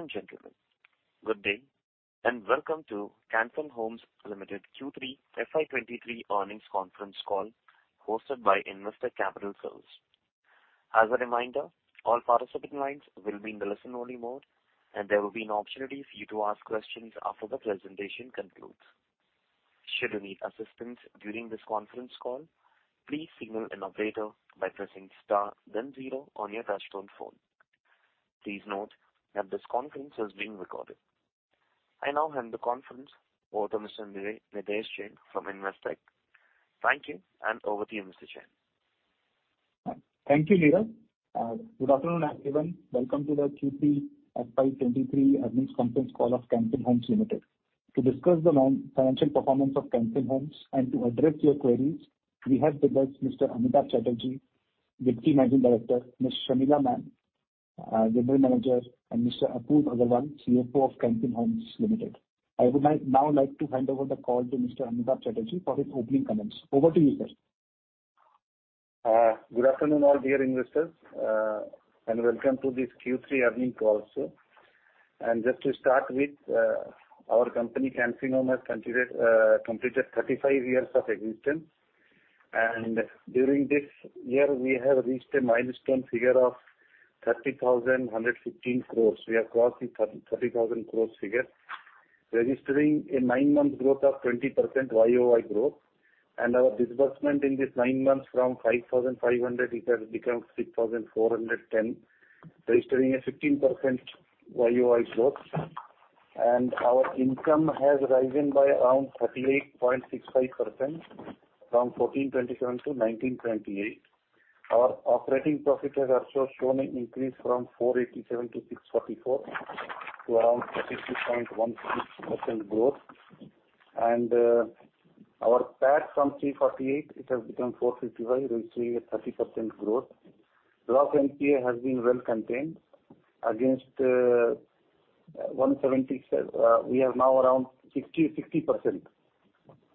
Ladies and gentlemen, good day and welcome to Can Fin Homes Limited Q3 FY23 Earnings Conference Call hosted by Investec Capital Services. As a reminder, all participating lines will be in the listen-only mode, and there will be an opportunity for you to ask questions after the presentation concludes. Should you need assistance during this conference call, please signal an operator by pressing star then zero on your touchtone phone. Please note that this conference is being recorded. I now hand the conference over to Mr. Nidhesh Jain from Investec. Thank you, and over to you, Mr. Jain. Thank you, Neeraj. Good afternoon and welcome to the Q3 FY23 earnings conference call of Can Fin Homes Limited. To discuss the non-financial performance of Can Fin Homes and to address your queries, we have with us Mr. Amitabh Chatterjee, Deputy Managing Director, Ms. Shamila M, General Manager, and Mr. Apurav Agarwal, CFO of Can Fin Homes Limited. I would now like to hand over the call to Mr. Amitabh Chatterjee for his opening comments. Over to you, sir. Good afternoon, all dear investors, welcome to this Q3 earnings call. Our company, Can Fin Homes, has considered completed 35 years of existence. During this year, we have reached a milestone figure of 30,115 crores. We have crossed the 30,000 crores figure, registering a 9-month growth of 20% YoY growth. Our disbursement in this 9 months from 5,500 it has become 6,410, registering a 15% YoY growth. Our income has risen by around 38.65% from 1,427 to 1,928. Our operating profit has also shown an increase from 487 to 644, to around 32.16% growth. Our PAT from 348, it has become 455, registering a 30% growth. Gross NPA has been well contained. Against 177%, we are now around 60%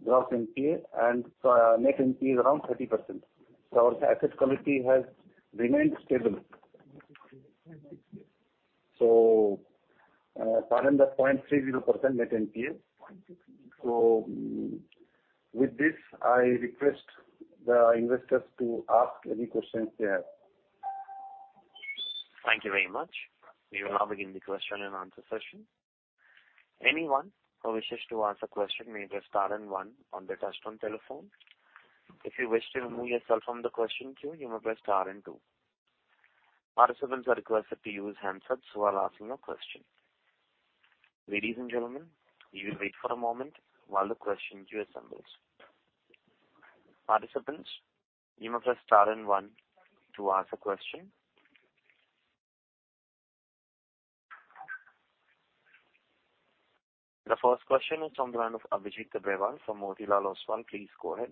gross NPA and so our net NPA is around 30%. Our asset quality has remained stable. 7.30% net NPA. With this, I request the investors to ask any questions they have. Thank you very much. We will now begin the question and answer session. Anyone who wishes to ask a question may press star and one on their touchtone telephone. If you wish to remove yourself from the question queue, you may press star and two. Participants are requested to use handsets while asking a question. Ladies and gentlemen, we will wait for a moment while the question queue assembles. Participants, you may press star and one to ask a question. The first question is on the line of Abhijit Tare from Motilal Oswal. Please go ahead.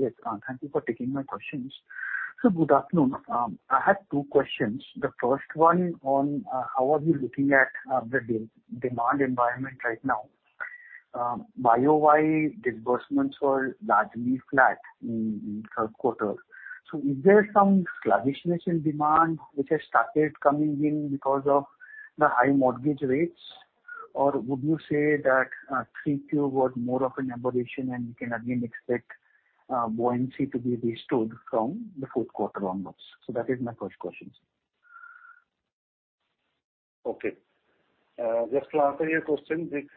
Yes. Thank you for taking my questions. Good afternoon. I had two questions. The first one on, how are you looking at the demand environment right now? YOY disbursements were largely flat in third quarter. Is there some sluggishness in demand which has started coming in because of the high mortgage rates? Or would you say that 3Q was more of an aberration and we can again expect buoyancy to be restored from the fourth quarter onwards? That is my first question, sir. Okay. Just to answer your question, which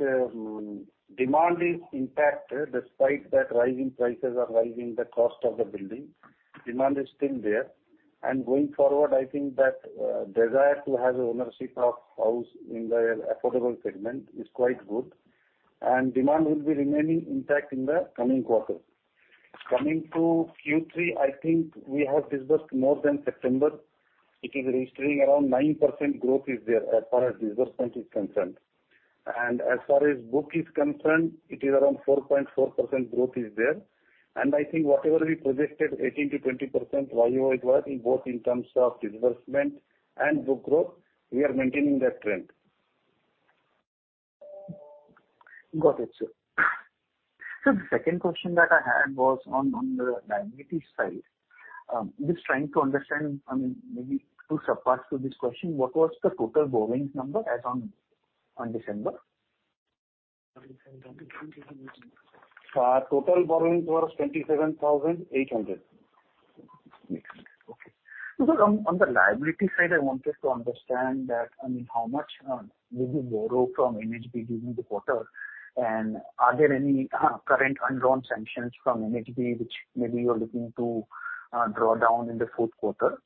demand is impacted despite that rising prices are rising the cost of the building, demand is still there. Going forward, I think that desire to have ownership of house in the affordable segment is quite good and demand will be remaining intact in the coming quarter. Coming to Q3, I think we have disbursed more than September. It is registering around 9% growth is there as far as disbursement is concerned. As far as book is concerned, it is around 4.4% growth is there. I think whatever we projected 18%-20% YOY growth in both in terms of disbursement and book growth, we are maintaining that trend. Got it, sir. The second question that I had was on the liability side. Just trying to understand, I mean, maybe to surpass to this question, what was the total borrowings number as on December? Our total borrowings was INR 27,800. On the liability side, I wanted to understand that, I mean, how much did you borrow from NHB during the quarter? Are there any current undrawn sanctions from NHB which maybe you are looking to draw down in the fourth quarter?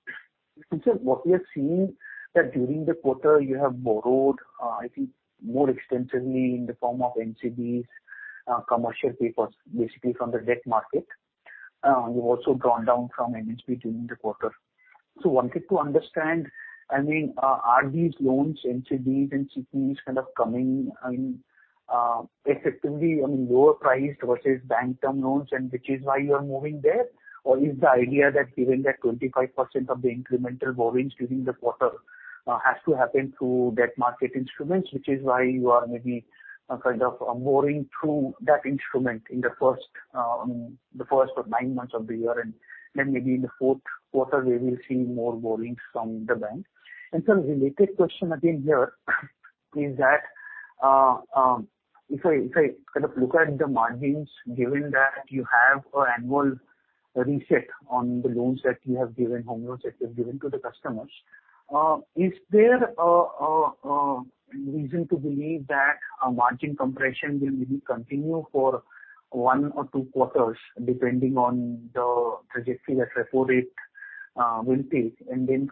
Because what we are seeing that during the quarter you have borrowed, I think more extensively in the form of NCDs, commercial papers, basically from the debt market. You've also drawn down from NHB during the quarter. Wanted to understand, I mean, are these loans, NCDs and CPs kind of coming, I mean, effectively on lower priced versus bank term loans and which is why you are moving there? Is the idea that given that 25% of the incremental borrowings during the quarter has to happen through debt market instruments, which is why you are maybe kind of borrowing through that instrument in the first of nine months of the year and then maybe in the fourth quarter we will see more borrowings from the bank. Some related question again here. Is that if I kind of look at the margins, given that you have an annual reset on the loans that you have given home loans that you have given to the customers, is there a reason to believe that a margin compression will maybe continue for one or two quarters depending on the trajectory that repo rate will take?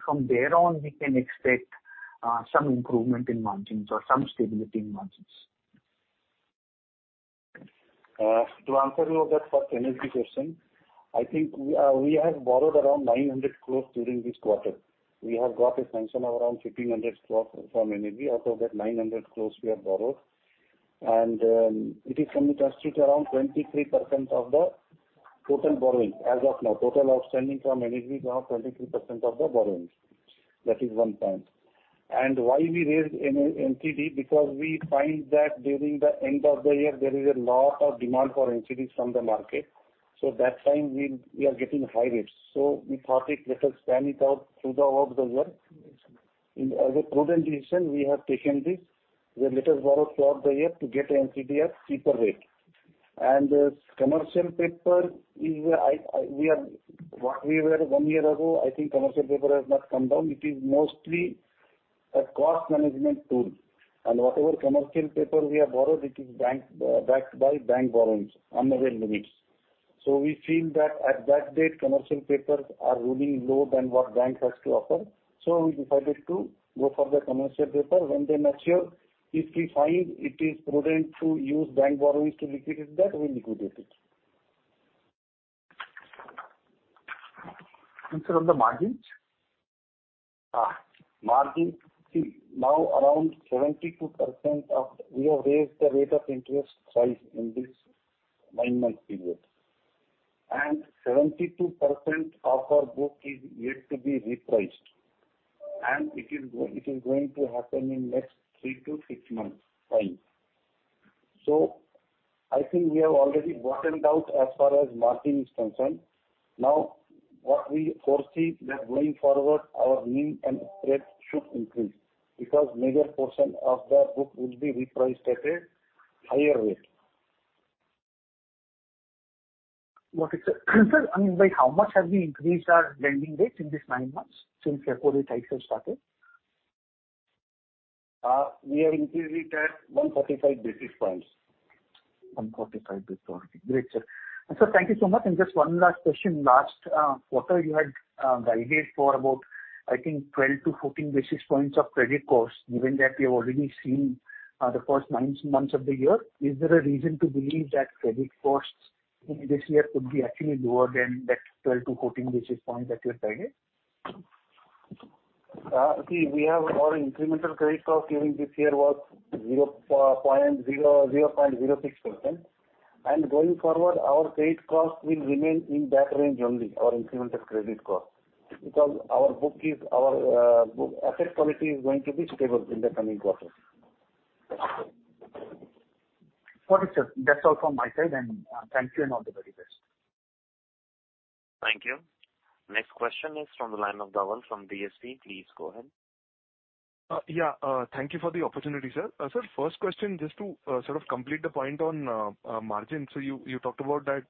From there on, we can expect some improvement in margins or some stability in margins. To answer your that first energy question, I think we have borrowed around 900 crore during this quarter. We have got a sanction of around 1,500 crore from energy. Out of that 900 crore we have borrowed. It is only constituted around 23% of the total borrowing as of now. Total outstanding from energy is around 23% of the borrowings. That is one point. Why we raised NCD? Because we find that during the end of the year there is a lot of demand for NCDs from the market, so that time we are getting high rates. We thought it, let us span it out through the whole of the year. As a prudent decision, we have taken this, where let us borrow throughout the year to get NCD at cheaper rate. Commercial paper is We are what we were one year ago, I think commercial paper has not come down. It is mostly a cost management tool. Whatever commercial paper we have borrowed, it is bank backed by bank borrowings, unavailed limits. We feel that at that date, commercial papers are ruling lower than what bank has to offer. We decided to go for the commercial paper. When they mature, if we find it is prudent to use bank borrowings to liquidate that, we liquidate it. Sir, on the margins? Margins. Now around 72% of we have raised the rate of interest twice in this nine month period. 72% of our book is yet to be repriced. It is going to happen in next three to six months time. I think we have already bottomed out as far as margin is concerned. What we foresee that going forward our NIM and spread should increase because major portion of the book will be repriced at a higher rate. Got it, sir. I mean, by how much have we increased our lending rates in this nine months since repo rate cycle started? We have increased it at 145 basis points. 145 basis points. Great, sir. Sir, thank you so much. Just one last question. Last quarter you had guided for about, I think, 12-14 basis points of credit costs. Given that we have already seen the first nine months of the year, is there a reason to believe that credit costs in this year could be actually lower than that 12-14 basis points that you have guided? See, we have our incremental credit cost during this year was 0.06%. Going forward, our credit cost will remain in that range only, our incremental credit cost. Because our book is, our book asset quality is going to be stable in the coming quarter. Got it, sir. That's all from my side, and, thank you and all the very best. Thank you. Next question is from the line of Dhawal from DSC. Please go ahead. Yeah, thank you for the opportunity, sir. Sir, first question just to sort of complete the point on margin. You talked about that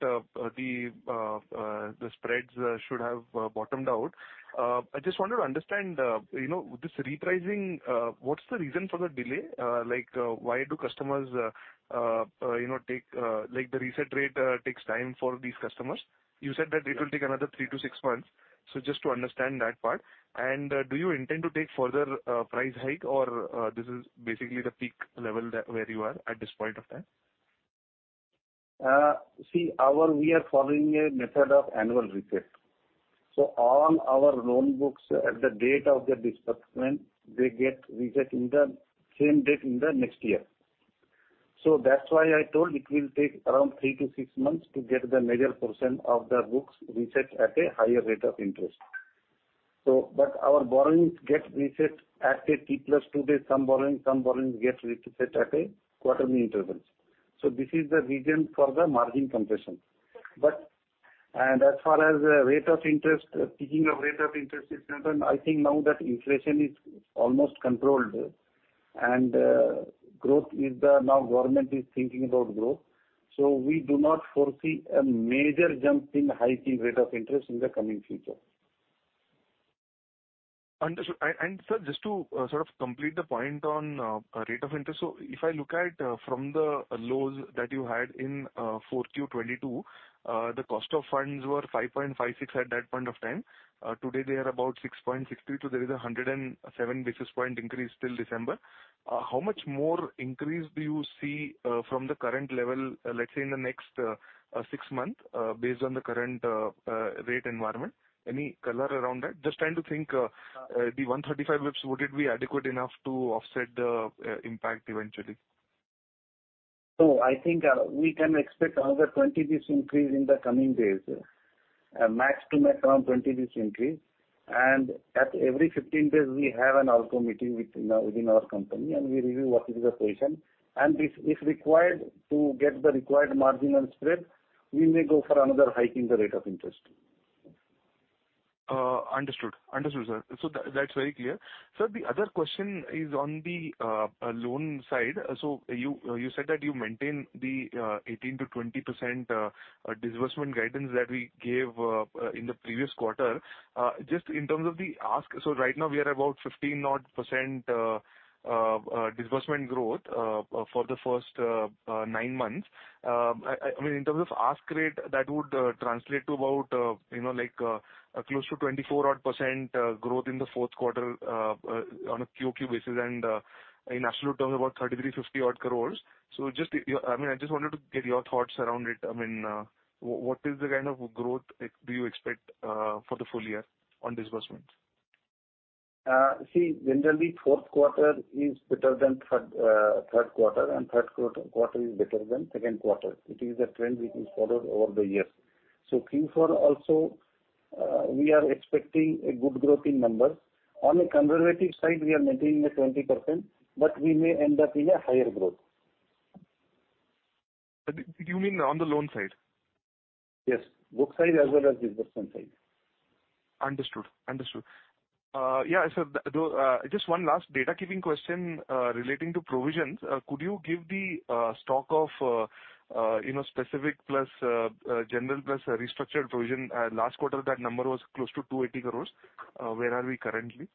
the spreads should have bottomed out. I just wanted to understand, you know, this repricing, what's the reason for the delay? Like, why do customers, you know, take like the reset rate takes time for these customers. You said that it will take another three to six months. Just to understand that part. Do you intend to take further price hike or this is basically the peak level that where you are at this point of time? We are following a method of annual reset. All our loan books at the date of the disbursement, they get reset in the same date in the next year. That's why I told it will take around three to six months to get the major portion of the books reset at a higher rate of interest. Our borrowings get reset at a T plus two days, some borrowings get reset at a quarterly intervals. This is the reason for the margin compression. As far as the rate of interest, speaking of rate of interest is concerned, I think now that inflation is almost controlled and now government is thinking about growth. We do not foresee a major jump in high key rate of interest in the coming future. Understood. Sir, just to sort of complete the point on rate of interest. If I look at from the lows that you had in 4 Q 2022, the cost of funds were 5.56 at that point of time. Today they are about 6.62. There is a 107 basis point increase till December. How much more increase do you see from the current level, let's say in the next six months, based on the current rate environment? Any color around that? Just trying to think, the 135 basis, would it be adequate enough to offset the impact eventually? I think we can expect another 20 basis increase in the coming days. Max to max around 20 basis increase. At every 15 days we have an ALCO meeting within our company, and we review what is the position. If required to get the required margin and spread, we may go for another hike in the rate of interest. Understood. Understood, sir. That's very clear. Sir, the other question is on the loan side. You, you said that you maintain the 18%-20% disbursement guidance that we gave in the previous quarter. Just in terms of the ask, so right now we are about 15% odd disbursement growth for the first 9 months. I mean, in terms of ask rate, that would translate to about, you know, like, close to 24% odd growth in the fourth quarter on a QOQ basis, and in absolute terms, about 3,350 odd crores. Just, I mean, I just wanted to get your thoughts around it. I mean, what is the kind of growth do you expect for the full year on disbursements? See, generally fourth quarter is better than third quarter, third quarter is better than second quarter. It is a trend which is followed over the years. Q4 also, we are expecting a good growth in numbers. On a conservative side, we are maintaining the 20%, but we may end up in a higher growth. You mean on the loan side? Yes. Book side as well as disbursement side. Understood. Yeah. Just one last data keeping question, relating to provisions. Could you give the stock of, you know, specific plus general plus restructured provision? Last quarter, that number was close to 280 crores. Where are we currently?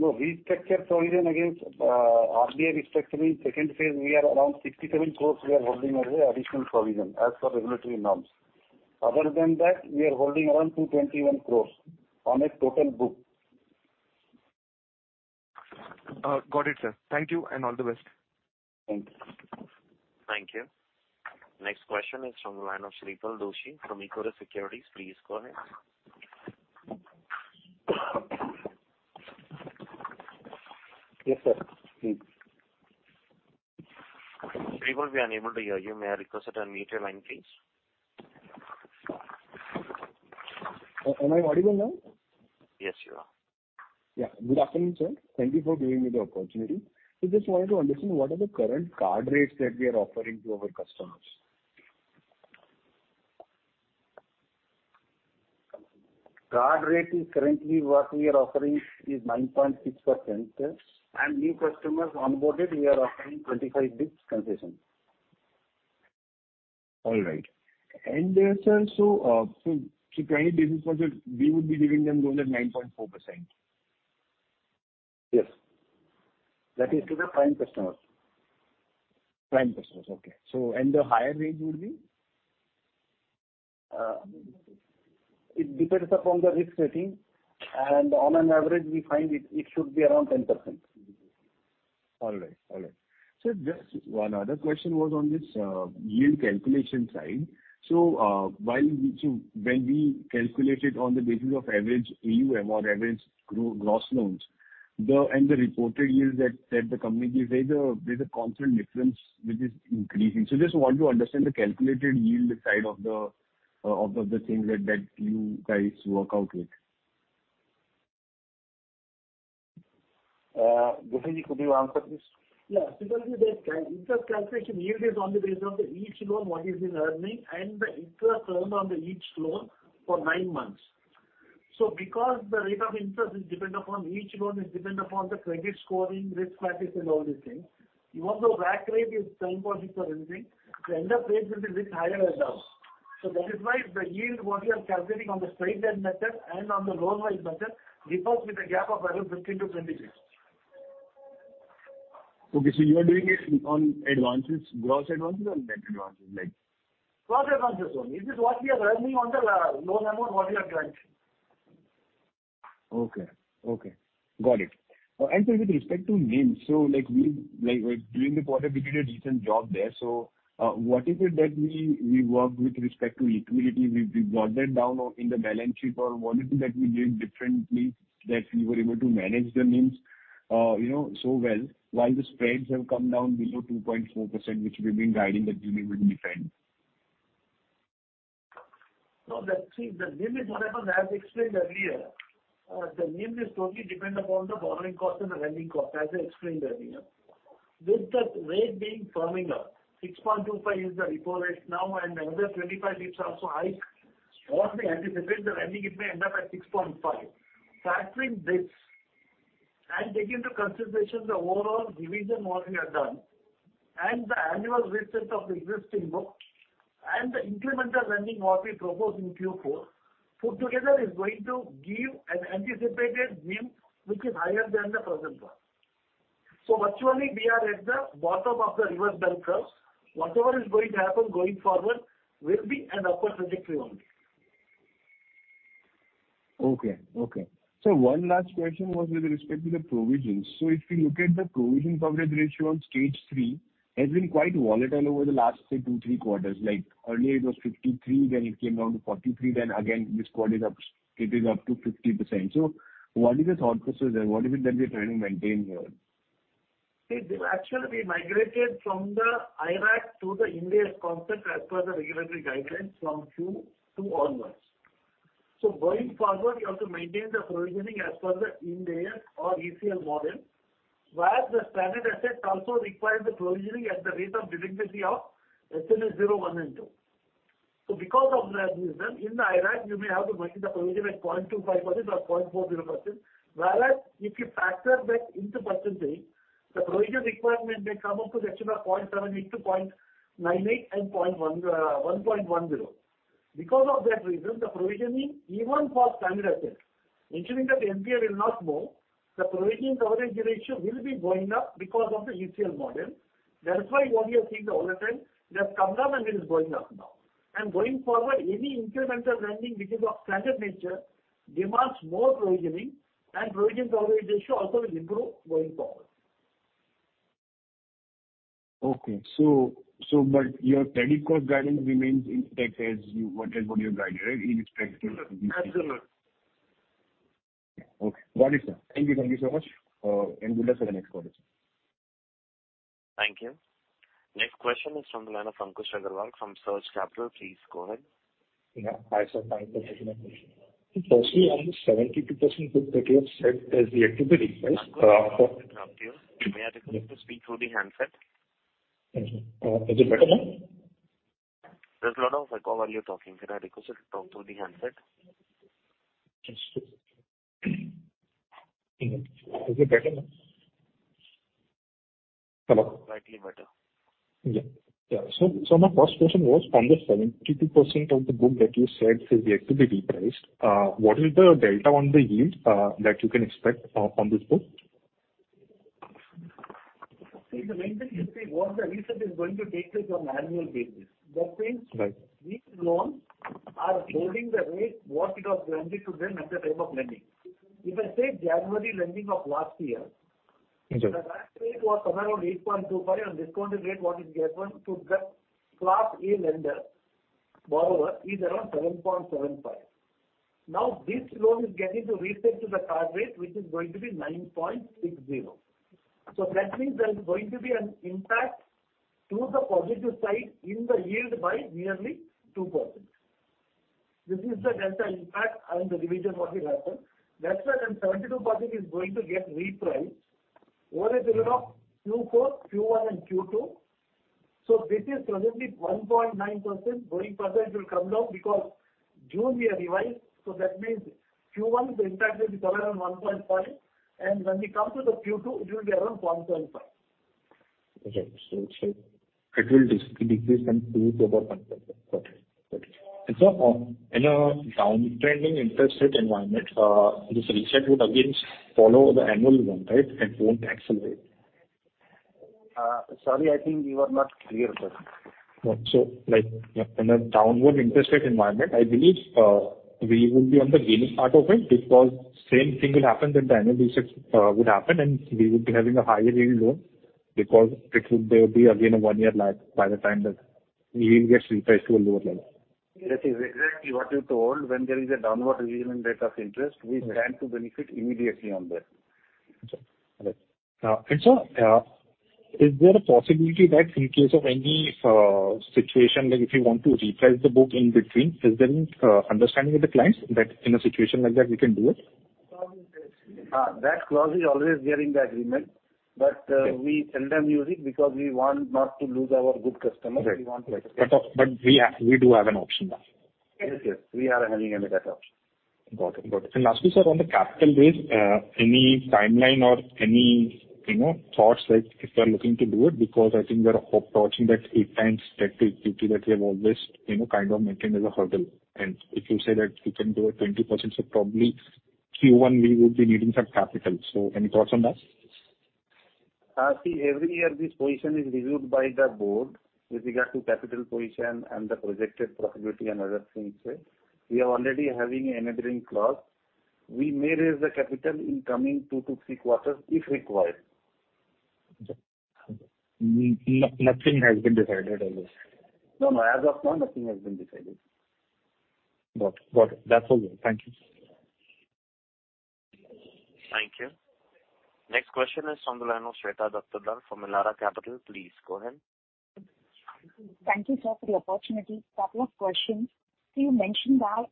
No, restructure provision against RBI respectfully, second phase we are around 67 crores we are holding as a additional provision as per regulatory norms. Other than that, we are holding around 221 crores on a total book. Got it, sir. Thank you and all the best. Thank you. Thank you. Next question is from the line of Shreepal Doshi from Equirus Securities. Please go ahead. Yes, sir. Please. Shripal, we are unable to hear you. May I request you to unmute your line, please? Am I audible now? Yes, you are. Yeah. Good afternoon, sir. Thank you for giving me the opportunity. I just wanted to understand what are the current card rates that we are offering to our customers? Card rate is currently what we are offering is 9.6%. Yes. new customers onboarded, we are offering 25 bits concession. All right. There, sir, to current business customers, we would be giving them loans at 9.4%. Yes. That is to the prime customers. Prime customers. Okay. The higher rate would be? It depends upon the risk rating and on an average we find it should be around 10%. All right. Just one other question was on this yield calculation side. While we when we calculate it on the basis of average AUM or average gross loans, the, and the reported yield that the company gives, there's a constant difference which is increasing. Just want to understand the calculated yield side of the thing that you guys work out with. Dushyant, could you answer this? Yeah. The interest calculation yield is on the basis of the each loan what is in earning and the interest earned on the each loan for nine months. Because the rate of interest is dependent upon each loan, is dependent upon the credit scoring, risk factors and all these things, even though vac rate is 10.6%, the end of rate will be bit higher or lower. That is why the yield what we are calculating on the straight line method and on the loan wise method differs with a gap of either 15-20 basis. Okay. You are doing it on advances, gross advances or net advances like? Gross advances only. It is what we are earning on the loan amount what we have granted. Okay. Okay. Got it. With respect to NIMs, like we, during the quarter, we did a decent job there. What is it that we worked with respect to liquidity? We brought that down or in the balance sheet or what is it that we did differently that we were able to manage the NIMs, you know, so well, while the spreads have come down below 2.4%, which we've been guiding that we will defend? No. Let's see. The NIM is what I have explained earlier. The NIM is totally dependent upon the borrowing cost and the lending cost, as I explained earlier. With the rate being firming up, 6.25 is the repo rate now and another 25 bits also hike. What we anticipate the lending, it may end up at 6.5. Factoring this and take into consideration the overall revision what we have done and the annual reset of the existing book and the incremental lending what we propose in Q4, put together is going to give an anticipated NIM which is higher than the present one. Virtually we are at the bottom of the reverse bell curve. Whatever is going to happen going forward will be an upward trajectory only. Okay. Okay. One last question was with respect to the provisions. If you look at the provision coverage ratio on Stage 3 has been quite volatile over the last, say, two, three quarters. Like earlier it was 53, then it came down to 43, then again this quarter up, it is up to 50%. What is your thought process there? What is it that we are trying to maintain here? See, actually we migrated from the IRAC to the NPA concept as per the regulatory guidelines from Q2 onwards. Going forward, we have to maintain the provisioning as per the NPA or ECL model. Whereas the standard assets also require the provisioning at the rate of delinquency of SMA 0, 1, and 2. Because of that reason, in the IRAC you may have to make the provision at 0.25% or 0.40%. Whereas if you factor that into percentage, the provision requirement may come up to the tune of 0.70%-0.98% and 1.10%. Because of that reason, the provisioning even for standard assets, ensuring that the NPA will not move, the provisioning coverage ratio will be going up because of the ECL model. That is why what we are seeing all the time, there's come down and it is going up now. Going forward, any incremental lending which is of standard nature demands more provisioning and provisioning coverage ratio also will improve going forward. Okay. Your credit cost guidance remains intact as you... whatever you have guided, right? In respect to- Absolutely. Okay, got it, sir. Thank you so much. Good luck for the next quarter. Thank you. Next question is from the line of Ankush Agrawal from Surge Capital. Please go ahead. Yeah. Hi, sir. Actually on the 72% book that you have said is yet to be repriced, Ankush, I have to interrupt you. May I request you to speak through the handset? Thank you. Is it better now? There's a lot of echo while you're talking. Can I request you to talk through the handset? Yes, sure. Is it better now? Hello? Slightly better. Yeah. Yeah. My first question was from the 72% of the book that you said is yet to be repriced, what is the delta on the yield that you can expect on this book? See the main thing is the, what the reset is going to take place on annual basis. That means- Right. These loans are holding the rate what it was lending to them at the time of lending. I say January lending of last year. Mm-hmm. The rate was somewhere around 8.25% and discounted rate what is given to the class A lender, borrower is around 7.75%. This loan is getting to reset to the card rate, which is going to be 9.60%. That means there is going to be an impact to the positive side in the yield by nearly 2%. This is the delta impact and the revision what will happen. When 72% is going to get repriced over a period of Q4, Q1 and Q2, this is presently 1.9%. Going further it will come down because June we have revised, that means Q1 the impact will be somewhere around 1.5%. When we come to the Q2, it will be around 1.5%. Okay. It's like it will decrease from three to about 1.5. Got it. Got it. In a down trending interest rate environment, this reset would again follow the annual one, right? It won't accelerate. Sorry, I think you are not clear, sir. In a downward interest rate environment, I believe, we will be on the gaining part of it because same thing will happen, the annual resets, would happen and we would be having a higher yielding loan because there would be again a one-year lag by the time that yield gets repriced to a lower level. That is exactly what you told when there is a downward revision rate of interest. Right. We stand to benefit immediately on that. Okay. Got it. Is there a possibility that in case of any situation, like if you want to reprice the book in between, is there any understanding with the clients that in a situation like that we can do it? That clause is always there in the agreement. Okay. We seldom use it because we want not to lose our good customers. Right. We want to- We have, we do have an option there. Yes. We are having an exit option. Got it. Got it. Lastly, sir, on the capital raise, any timeline or any, you know, thoughts like if you are looking to do it because I think we are approaching that eight times static GT that we have always, you know, kind of maintained as a hurdle. If you say that you can do a 20%, probably Q1 we would be needing some capital. Any thoughts on that? See, every year this position is reviewed by the board with regard to capital position and the projected profitability and other things there. We are already having an entering clause. We may raise the capital in coming two to three quarters if required. Okay. Nothing has been decided as of? No, no. As of now, nothing has been decided. Got it. That's all good. Thank you. Thank you. Next question is on the line of Shweta Daptardar from Elara Capital. Please go ahead. Thank you, sir, for the opportunity. Couple of questions. You mentioned that,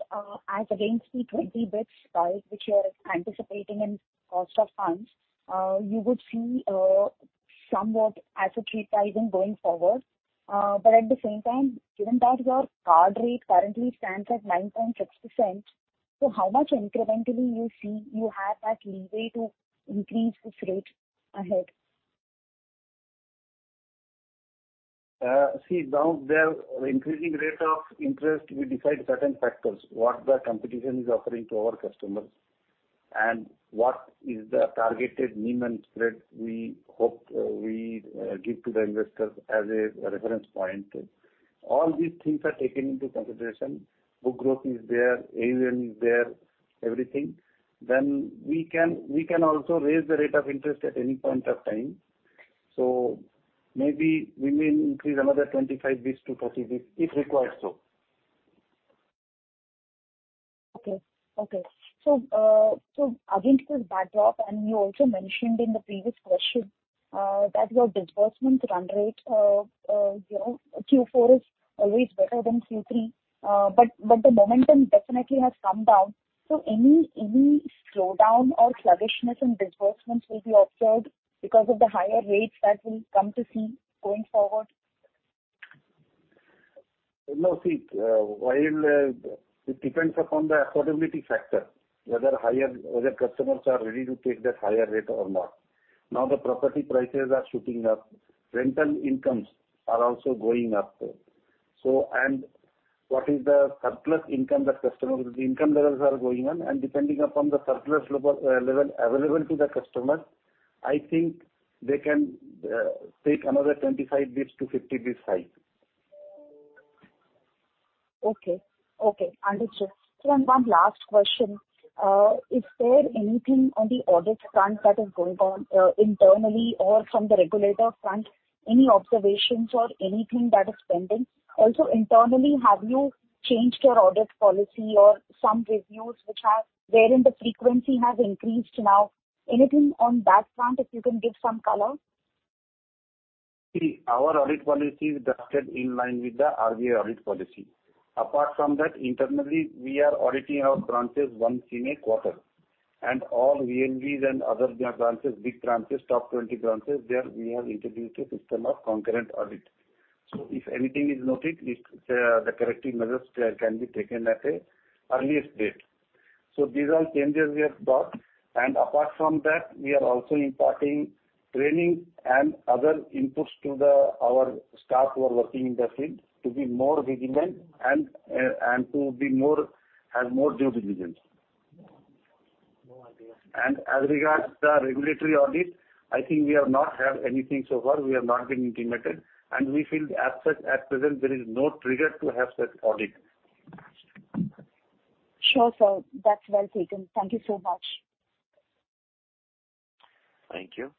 as against the 20 bits, which you are anticipating in cost of funds, you would see, somewhat as a creep rising going forward. At the same time, given that your card rate currently stands at 9.6%, how much incrementally you see you have that leeway to increase this rate ahead? See now the increasing rate of interest will decide certain factors, what the competition is offering to our customers and what is the targeted NIM and spread we hope, we give to the investors as a reference point. All these things are taken into consideration. Book growth is there, ALM is there, everything. We can also raise the rate of interest at any point of time. Maybe we may increase another 25 bits to 30 bits if required so. Okay. Against this backdrop, and you also mentioned in the previous question that your disbursement run rate of, you know, Q4 is always better than Q3. The momentum definitely has come down. Any slowdown or sluggishness in disbursements will be observed because of the higher rates that we'll come to see going forward? No. See, while it depends upon the affordability factor, whether customers are ready to take that higher rate or not. Now the property prices are shooting up. Rental incomes are also going up. What is the surplus income that customers? The income levels are going on, and depending upon the surplus level available to the customer, I think they can take another 25-50 bits hike. Okay. Okay. Understood. Sir, one last question. Is there anything on the audit front that is going on internally or from the regulator front, any observations or anything that is pending? Internally, have you changed your audit policy or some reviews which are wherein the frequency has increased now? Anything on that front, if you can give some color. Our audit policy is drafted in line with the RBIA audit policy. Apart from that, internally we are auditing our branches once in a quarter, and all VNBs and other branches, big branches, top 20 branches, there we have introduced a system of concurrent audit. If anything is noted, if the corrective measures can be taken at a earliest date. Apart from that, we are also imparting training and other inputs to our staff who are working in the field to be more vigilant and to be more, have more due diligence. No idea. As regards the regulatory audit, I think we have not had anything so far. We have not been intimated, and we feel as such at present there is no trigger to have such audit. Sure, sir. That's well taken. Thank you so much. Thank you.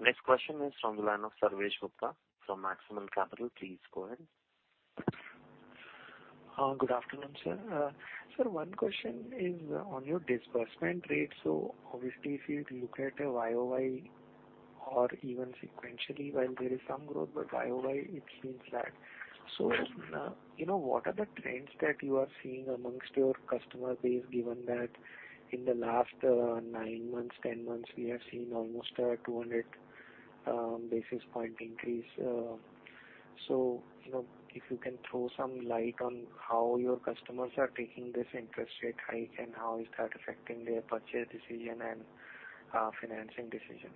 Next question is from the line of Sarvesh Gupta from Maximal Capital. Please go ahead. Good afternoon, sir. Sir, 1 question is on your disbursement rate. Obviously, if you look at the YOY or even sequentially, while there is some growth, but YOY it seems flat. You know, what are the trends that you are seeing amongst your customer base, given that in the last nine months, 10 months, we have seen almost a 200 basis point increase? You know, if you can throw some light on how your customers are taking this interest rate hike and how is that affecting their purchase decision and financing decision.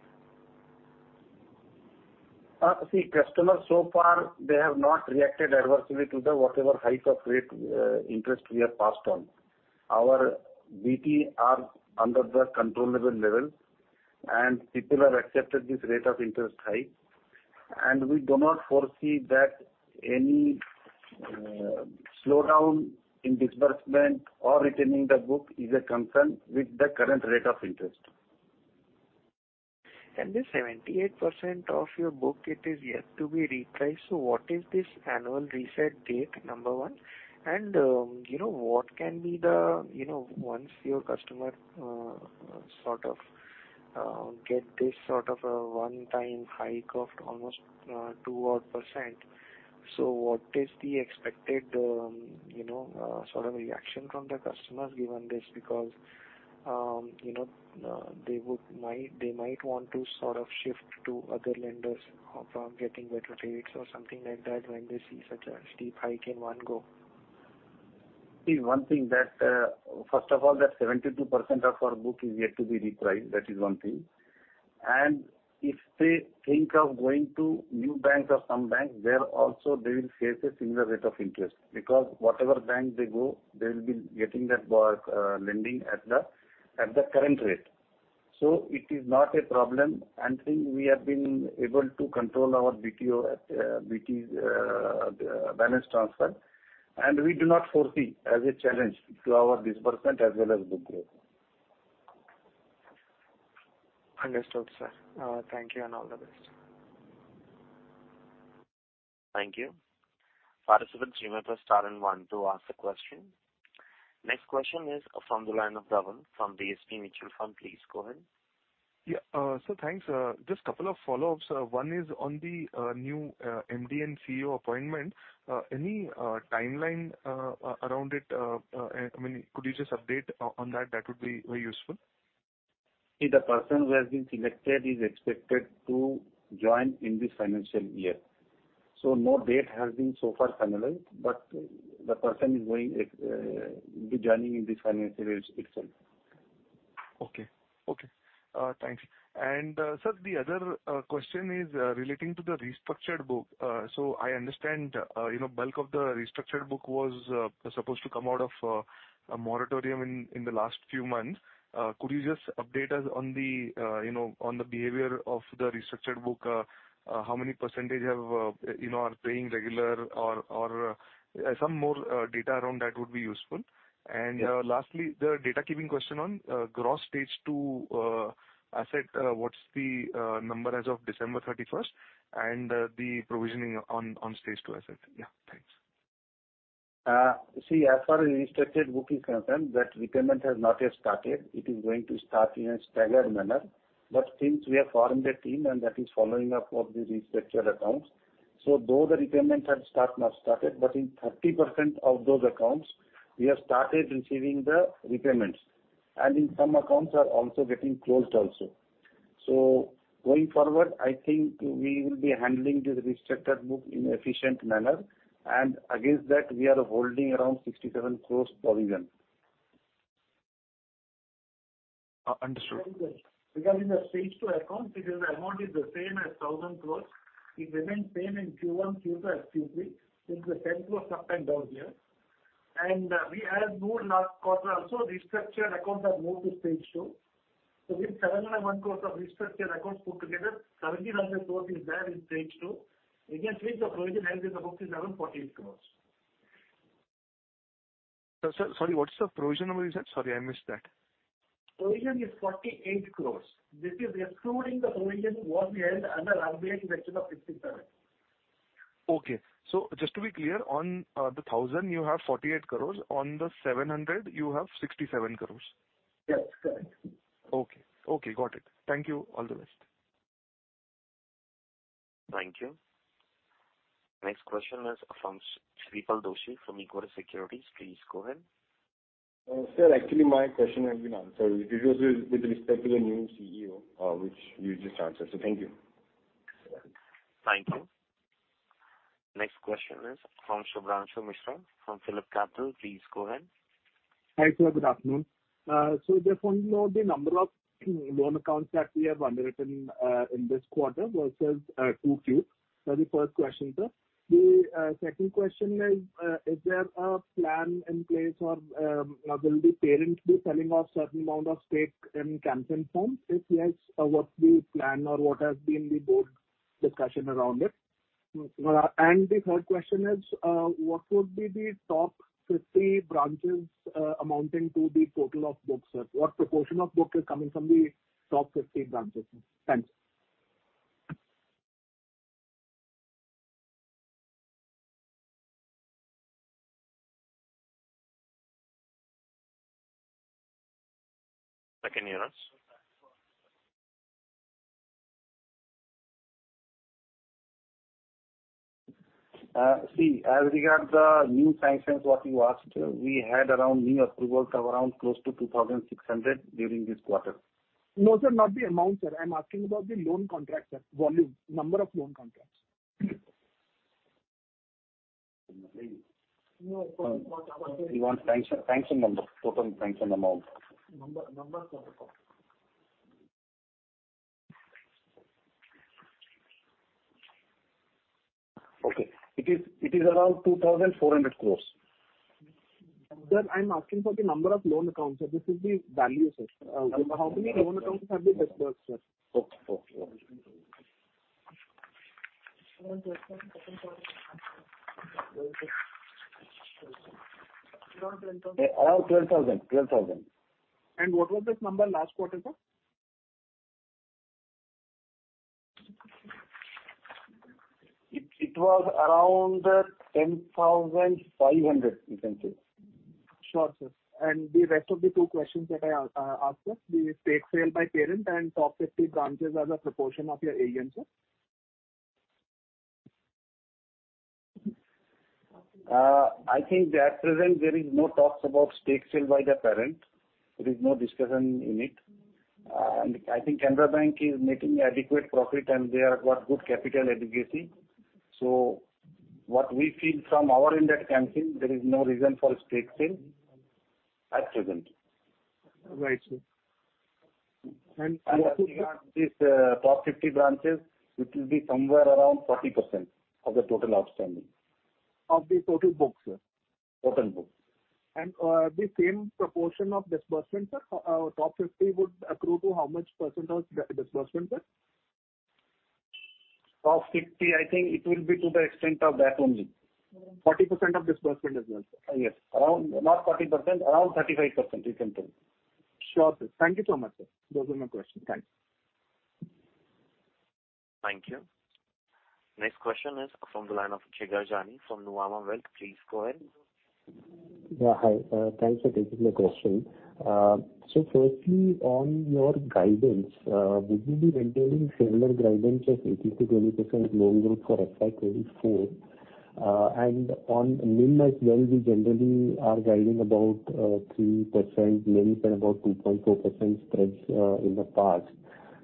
See customers so far they have not reacted adversely to the whatever hike of rate, interest we have passed on. Our BT are under the controllable level. People have accepted this rate of interest hike, and we do not foresee that any slowdown in disbursement or retaining the book is a concern with the current rate of interest. The 78% of your book it is yet to be repriced. What is this annual reset date? Number one. You know, what can be the, you know, once your customer sort of get this sort of a one-time hike of almost two odd percentage? What is the expected, you know, sort of reaction from the customers given this? Because, you know, they might want to sort of shift to other lenders from getting better rates or something like that when they see such a steep hike in one go. See one thing that, first of all, that 72% of our book is yet to be repriced. That is one thing. If they think of going to new banks or some banks, there also they will face a similar rate of interest because whatever bank they go, they will be getting that lending at the current rate. It is not a problem. Since we have been able to control our BT-out at BT, balance transfer, and we do not foresee as a challenge to our disbursement as well as book growth. Understood, sir. Thank you and all the best. Thank you. Participant, you may press star and one to ask the question. Next question is from the line of Rahul from DSP Mutual Fund. Please go ahead. Yeah. Thanks. Just couple of follow-ups. One is on the new MD and CEO appointment. Any timeline around it? I mean, could you just update on that? That would be very useful. The person who has been selected is expected to join in this financial year. No date has been so far finalized, but the person is going be joining in this financial year itself. Okay. Okay. Thanks. Sir, the other question is relating to the restructured book. I understand, you know, bulk of the restructured book was supposed to come out of a moratorium in the last few months. Could you just update us on the, you know, on the behavior of the restructured book? How many percent have, you know, are paying regular or some more data around that would be useful. Lastly, the data keeping question on gross Stage 2 asset. What's the number as of December 31st and the provisioning on Stage 2 asset? Thank you. See, as for restructured book is concerned, that repayment has not yet started. It is going to start in a staggered manner. Since we have formed a team and that is following up of the restructured accounts, though the repayments have not started, but in 30% of those accounts we have started receiving the repayments, and in some accounts are also getting closed also. Going forward, I think we will be handling this restructured book in efficient manner, and against that we are holding around 67 crores provision. understood. Because in the Stage 2 accounts, it is the amount is the same as 1,000 crores. It remains same in Q1, Q2 as Q3, since the 10 crores upfront down here. We have moved last quarter also restructured accounts are moved to Stage 2. With INR 7 and 1 crores of restructured accounts put together, 77 crores is there in Stage 2. Against this the provision held in the book is 748 crores. Sir, sorry, what's the provision amount you said? Sorry, I missed that. Provision is 48 crores. This is excluding the provision what we held under RWA exposure of 67. Okay. Just to be clear, on the 1,000 you have 48 crores, on the 700 you have 67 crores? Yes, correct. Okay. Okay, got it. Thank you. All the best. Thank you. Next question is from Shreepal Doshi from Equirus Securities. Please go ahead. Sir, actually my question has been answered. It was with respect to the new CEO, which you just answered. Thank you. Thank you. Next question is from Shubhranshu Mishra from PhillipCapital. Please go ahead. Hi, sir. Good afternoon. Just want to know the number of loan accounts that we have underwritten in this quarter versus Q2. That's the first question, sir. The second question is there a plan in place or will the parent be selling off certain amount of stake in Can Fin Homes? If yes, what's the plan or what has been the board discussion around it? The third question is, what would be the top 50 branches, amounting to the total of books, sir? What proportion of book is coming from the top 50 branches, sir? Thanks. Second year on, sir. See, as regard the new sanctions what you asked, we had around new approvals of around close to 2,600 during this quarter. No, sir. Not the amount, sir. I'm asking about the loan contracts, sir. Volume. Number of loan contracts. He wants sanction number. Total sanction amount. Number. Okay. It is around 2,400 crores. Sir, I'm asking for the number of loan accounts, sir. This is the value, sir. How many loan accounts have you dispersed, sir? Okay. Okay. Okay. Around INR 12,000. Around 12,000. 12,000. What was this number last quarter, sir? It was around 10,500, you can say. Sure, sir. The rest of the two questions that I asked, sir, the stake sale by parent and top 50 branches as a proportion of your AUM, sir? I think at present there is no talks about stake sale by the parent. There is no discussion in it. I think Canara Bank is making adequate profit and they have got good capital adequacy. What we feel from our end at Can Fin, there is no reason for stake sale at present. Right, sir. As regard this, top 50 branches, it will be somewhere around 40% of the total outstanding. Of the total books, sir? Total books. The same proportion of disbursement, sir? Top 50 would accrue to how much % of disbursement, sir? Top 50, I think it will be to the extent of that only. 40% of disbursement as well, sir? Yes. Around... Not 40%, around 35%, you can say. Sure, sir. Thank you so much, sir. Those were my questions. Thanks. Thank you. Next question is from the line of Chetan Jani from Nuvama Wealth. Please go ahead. Yeah, hi. Thanks for taking my question. Firstly, on your guidance, would you be maintaining similar guidance as 18%-20% loan growth for FY24? On NIM as well, we generally are guiding about 3%, maybe about 2.4% spreads in the past.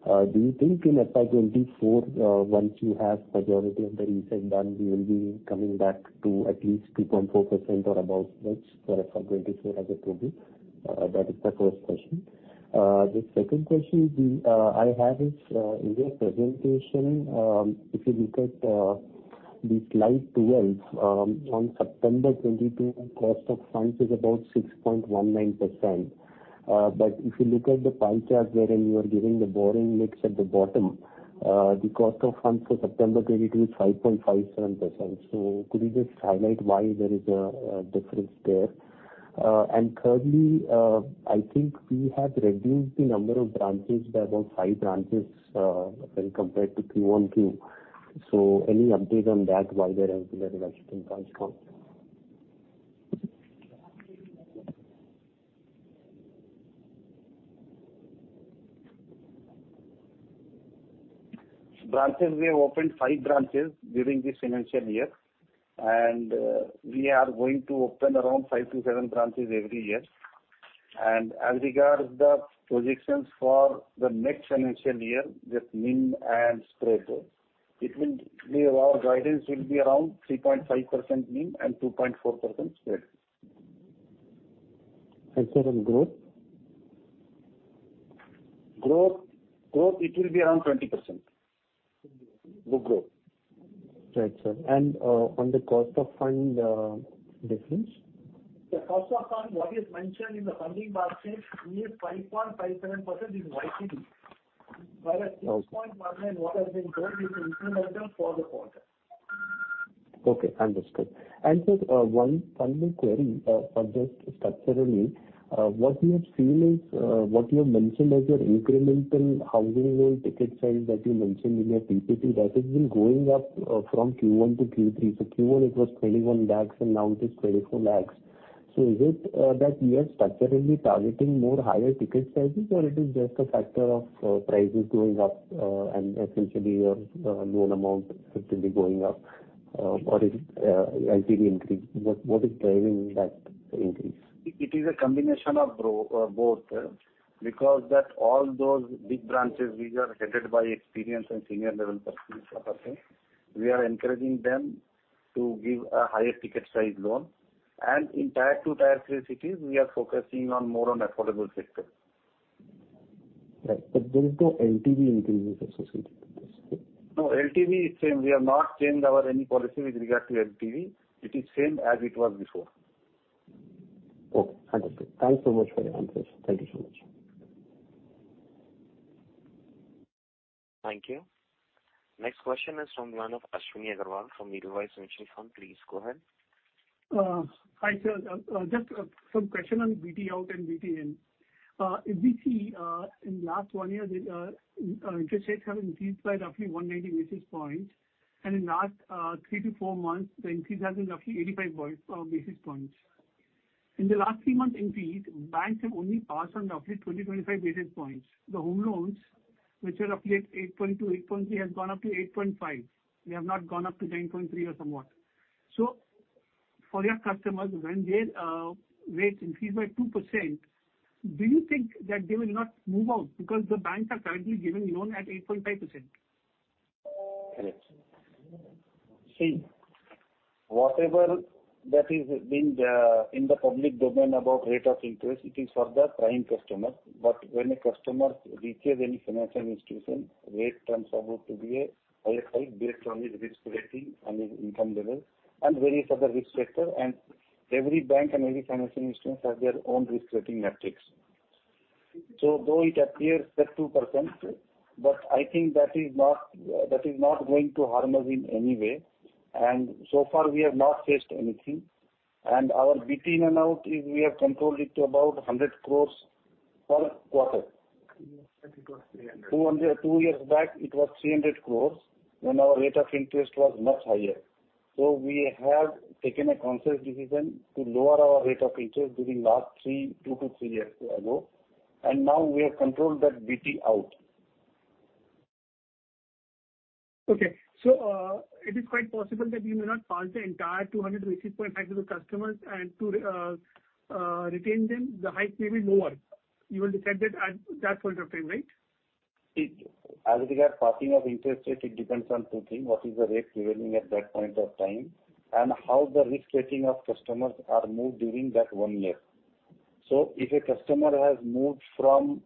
Do you think in FY24, once you have majority of the reset done, we will be coming back to at least 2.4% or above spreads for FY24 as a total? That is the first question. The second question I have is, in your presentation, if you look at the slide 12, on September 2022, cost of funds is about 6.19%. If you look at the pie chart wherein you are giving the borrowing mix at the bottom, the cost of funds for September 2022 is 5.57%. Could you just highlight why there is a difference there? Thirdly, I think we have reduced the number of branches by about five branches, when compared to Q1Q. Any update on that, why there has been a reduction in branch count? Branches, we have opened five branches during this financial year, and we are going to open around five to seven branches every year. As regards the projections for the next financial year, with NIM and spread, Guidance will be around 3.5% NIM and 2.4% spread. Sir, on growth? Growth it will be around 20%. The growth. Right, sir. On the cost of fund difference? The cost of fund, what is mentioned in the funding basket is 5.57% is YTD. Okay. Whereas 6.19 what has been grown is incremental for the quarter. Okay, understood. Sir, one final query on just structurally. What we have seen is what you have mentioned as your incremental housing loan ticket size that you mentioned in your PPT, that has been going up from Q1-Q3. Q1 it was 21 lakhs and now it is 24 lakhs. Is it that you are structurally targeting more higher ticket sizes, or it is just a factor of prices going up and essentially your loan amount simply going up? What is LTV increase? What is driving that increase? It is a combination of both, because that all those big branches which are headed by experienced and senior level persons. We are encouraging them to give a higher ticket size loan. In tier 2, tier 3 cities, we are focusing on more on affordable sector. Right. There is no LTV increase associated with this, right? No, LTV is same. We have not changed our any policy with regard to LTV. It is same as it was before. Okay. Understood. Thanks so much for your answers. Thank you so much. Thank you. Next question is from one of Ashwani Agarwalla from Edelweiss Venture Fund. Please go ahead. Hi, sir. Just some question on BT out and BT in. If we see in last one year, our interest rates have increased by roughly 190 basis points, and in last three to four months, the increase has been roughly 85 basis points. In the last three months increase, banks have only passed on roughly 20-25 basis points. The home loans, which were roughly at 8.2%, 8.3%, has gone up to 8.5%. They have not gone up to 9.3% or somewhat. For your customers, when their rates increase by 2%, do you think that they will not move out because the banks are currently giving loan at 8.5%? Correct. Whatever that is in the public domain about rate of interest, it is for the prime customer. When a customer reaches any financial institution, rate turns out to be a higher hike based on his risk rating and his income level and various other risk factor. Every bank and every financial institution has their own risk rating metrics. Though it appears that 2%, I think that is not, that is not going to harm us in any way. So far, we have not faced anything. Our BT in and out is we have controlled it to about 100 crores per quarter. Last time it was 300. Two hundred, two years back, it was 300 crores when our rate of interest was much higher. We have taken a conscious decision to lower our rate of interest during two to three years ago. Now we have controlled that BT-out. Okay. It is quite possible that you may not pass the entire 200 basis point hike to the customers and to retain them, the hike may be lower. You will decide that at that point of time, right? It, as regard passing of interest rate, it depends on two things. What is the rate prevailing at that point of time, and how the risk rating of customers are moved during that one year. If a customer has moved from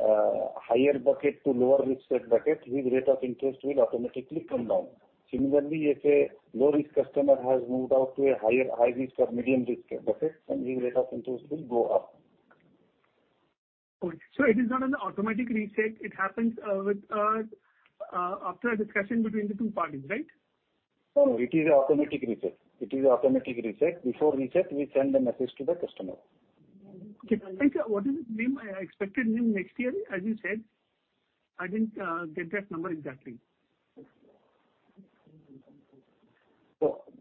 a higher bucket to lower risk rate bucket, his rate of interest will automatically come down. Similarly, if a low-risk customer has moved out to a higher risk or medium risk bucket, then his rate of interest will go up. Good. It is not an automatic reset. It happens with after a discussion between the two parties, right? It is an automatic reset. It is automatic reset. Before reset, we send a message to the customer. Okay. Sir, what is NIM, expected NIM next year, as you said? I didn't get that number exactly.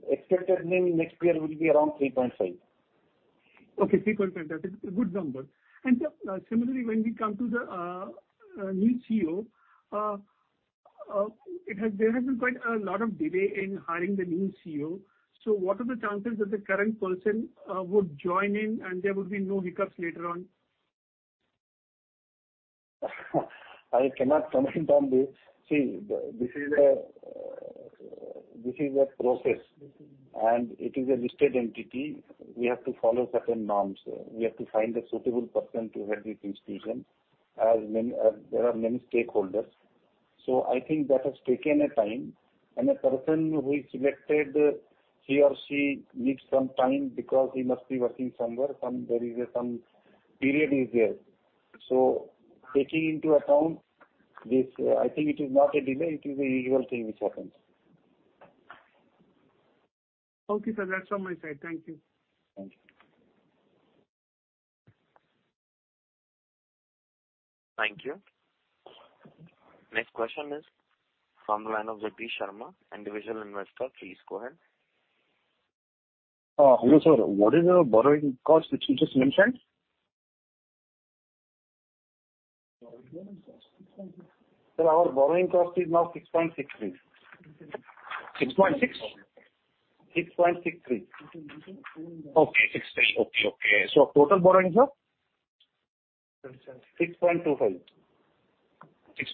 Expected NIM next year will be around 3.5%. Okay, 3.5. That is a good number. Sir, similarly, when we come to the new CEO, there has been quite a lot of delay in hiring the new CEO. What are the chances that the current person would join in and there would be no hiccups later on? I cannot comment on this. This is a, this is a process, and it is a listed entity. We have to follow certain norms. We have to find a suitable person to head this institution, as there are many stakeholders. I think that has taken a time. A person who is selected, he or she needs some time because he must be working somewhere. There is a, some period is there. Taking into account this, I think it is not a delay, it is a usual thing which happens. Okay, sir. That's from my side. Thank you. Thank you. Thank you. Next question is from the line of Jagdish Sharma, individual investor. Please go ahead. Hello, sir. What is the borrowing cost which you just mentioned? Sir, our borrowing cost is now 6.63%. 6.6? 6.63. Okay. Six three. Okay, okay. Total borrowings are? 6.25.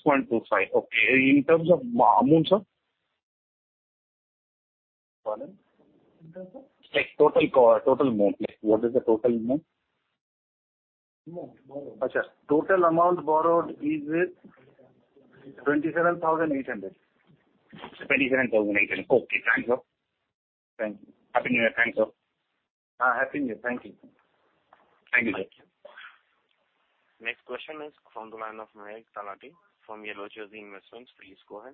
6.25. Okay. In terms of amount, sir? Pardon? Like, total amount. Like, what is the total amount? Total amount borrowed is 27,800. 27,800. Okay. Thanks, sir. Thank you. Happy New Year. Thanks, sir. Happy New Year. Thank you. Thank you. Next question is from the line of Mayank Talati from Yellow Cherry Investments. Please go ahead.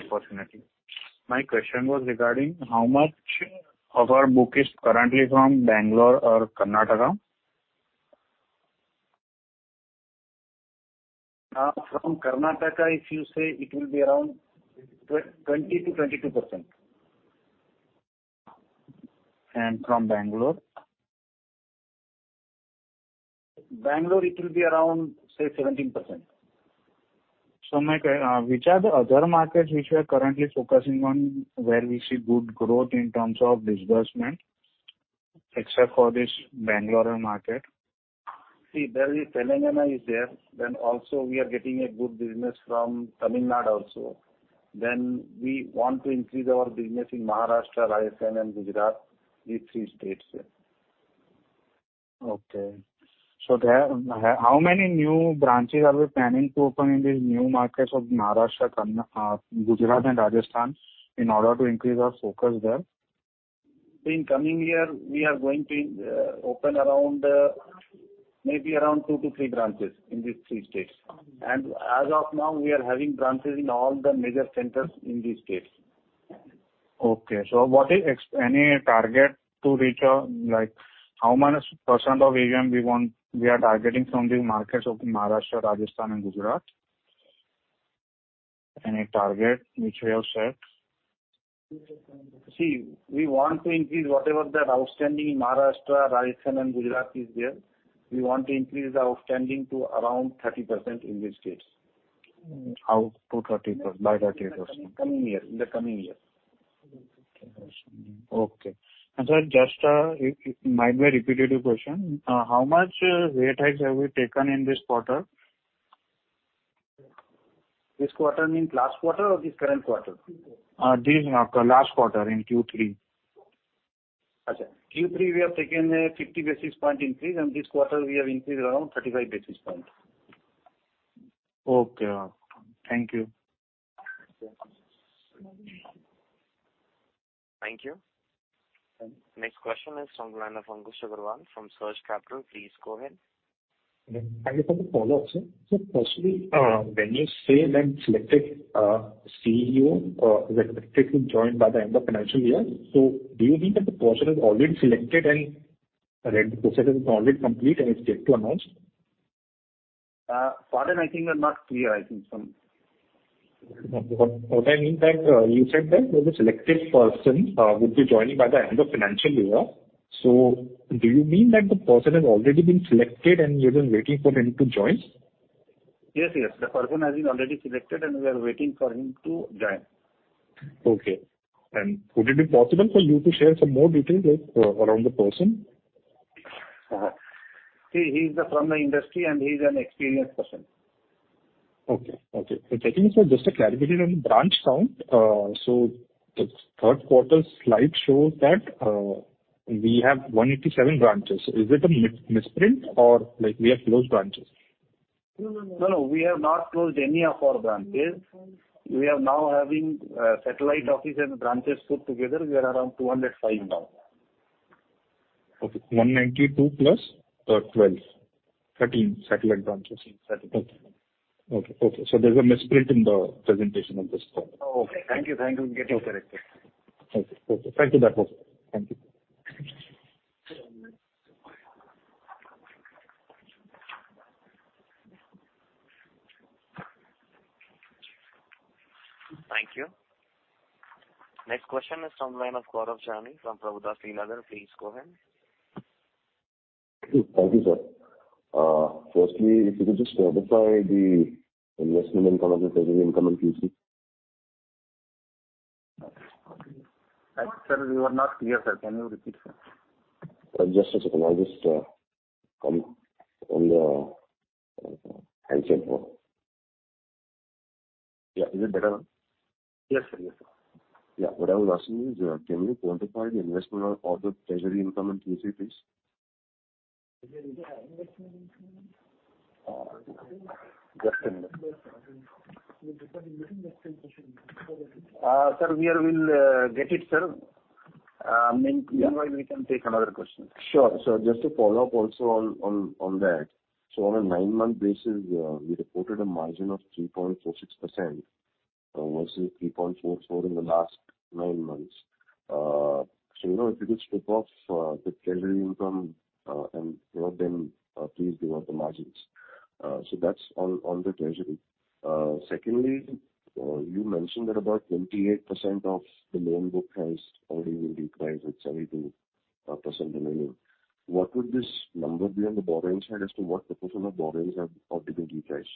Unfortunately. My question was regarding how much of our book is currently from Bangalore or Karnataka. From Karnataka, if you say, it will be around 20%-22%. From Bangalore? Bangalore, it will be around, say, 17%. May I, which are the other markets which we are currently focusing on where we see good growth in terms of disbursement except for this Bangalore market? There is Telangana is there. Also we are getting a good business from Tamil Nadu also. We want to increase our business in Maharashtra, Rajasthan and Gujarat, these three states. Okay. There, how many new branches are we planning to open in these new markets of Maharashtra, Gujarat and Rajasthan in order to increase our focus there? In coming year, we are going to open around, maybe around two to three branches in these three states. As of now we are having branches in all the major centers in these states. Okay. What is any target to reach, like how much % of AUM we are targeting from these markets of Maharashtra, Rajasthan and Gujarat? Any target which we have set? See, we want to increase whatever that outstanding Maharashtra, Rajasthan and Gujarat is there. We want to increase the outstanding to around 30% in these states. Out to 30%. By 30%. Coming year. In the coming year. Okay. Sir, just it might be a repetitive question. How much rate hikes have we taken in this quarter? This quarter means last quarter or this current quarter? This quarter. Last quarter, in Q3. Q3 we have taken a 50 basis point increase. This quarter we have increased around 35 basis points. Okay. Thank you. Thank you. Next question is from the line of Ankush Agrawal from Surge Capital. Please go ahead. Thank you. Follow-up, sir. Firstly, when you say that selected, CEO, will effectively join by the end of financial year, so do you mean that the person is already selected and that the process is already complete and is yet to announce? Pardon? I think I'm not clear, I think. What I mean that you said that there's a selected person would be joining by the end of financial year. Do you mean that the person has already been selected and you are just waiting for him to join? Yes. The person has been already selected and we are waiting for him to join. Okay. Would it be possible for you to share some more details, like, around the person? See, he's from the industry and he's an experienced person. Okay. Okay. Secondly, sir, just a clarification on the branch count. The third quarter slide shows that, we have 187 branches. Is it a misprint or, like, we have closed branches? No, no. We have not closed any of our branches. We are now having, satellite office and branches put together, we are around 205 now. Okay. 192 plus 12. 13 satellite branches. Satellite. Okay. Okay. There's a misprint in the presentation of this quarter. Okay. Thank you. Thank you. We'll get it corrected. Okay. Okay. Thank you. That's all. Thank you. Thank you. Next question is from line of Gaurav Sharma from Prabhudas Lilladher. Please go ahead. Thank you, sir. firstly, if you could just quantify the investment income or the treasury income in Q3? Sir, you are not clear, sir. Can you repeat, sir? Just a second. I'll just come on the handheld phone. Yeah. Is it better now? Yes, sir. Yes, sir. Yeah. What I was asking is, can you quantify the investment or the treasury income in Q3, please? Sir, we will get it, sir. Meanwhile we can take another question. Sure. Just to follow up also on that. On a nine-month basis, we reported a margin of 3.46% versus 3.44% in the last nine months. You know, if you could strip off the treasury income, and, you know, then please give us the margins. That's on the treasury. Secondly, you mentioned that about 28% of the loan book has already been repriced at 72% 10-year. What would this number be on the borrowings side as to what proportion of borrowings have been repriced?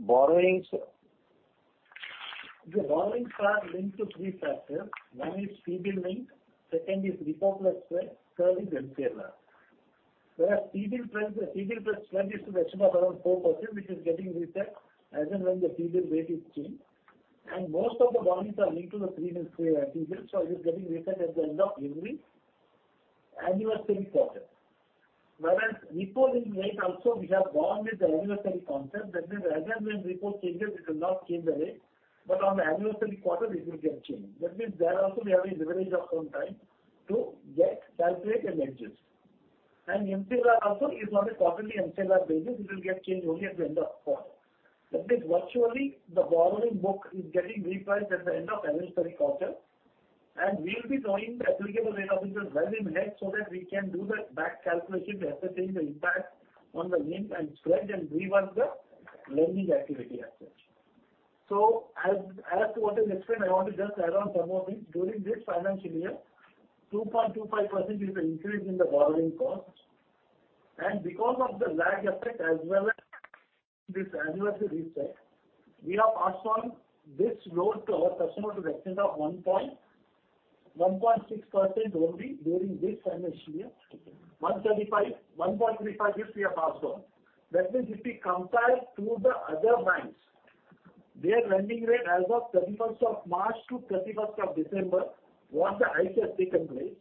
Borrowings. The borrowings are linked to three factors. One is T-bill linked, second is repo plus spread, third is MCLR. T-bill spread is to the extent of around 4% which is getting reset as and when the T-bill rate is changed. Most of the borrowings are linked to the previous T-bill so it is getting reset at the end of every anniversary quarter. Repo rate also we have gone with the anniversary concept. That means as and when repo changes it will not change the rate, but on the anniversary quarter it will get changed. That means there also we have a leverage of some time to get, calculate and adjust. MCLR also is on a quarterly MCLR basis, it will get changed only at the end of quarter. That means virtually the borrowing book is getting repriced at the end of anniversary quarter and we will be knowing the applicable rate of interest well in ahead so that we can do the back calculation assessing the impact on the NIM and spread and rework the lending activity as such. as to what is explained, I want to just add on some more things. During this financial year, 2.25% is the increase in the borrowing cost. Because of the lag effect as well as this anniversary reset, we have passed on this load to our customer to the extent of 1.6% only during this financial year. 1.35% is we have passed on. That means if we compare to the other banks, their lending rate as of 31st of March to 31st of December, what the hike has taken place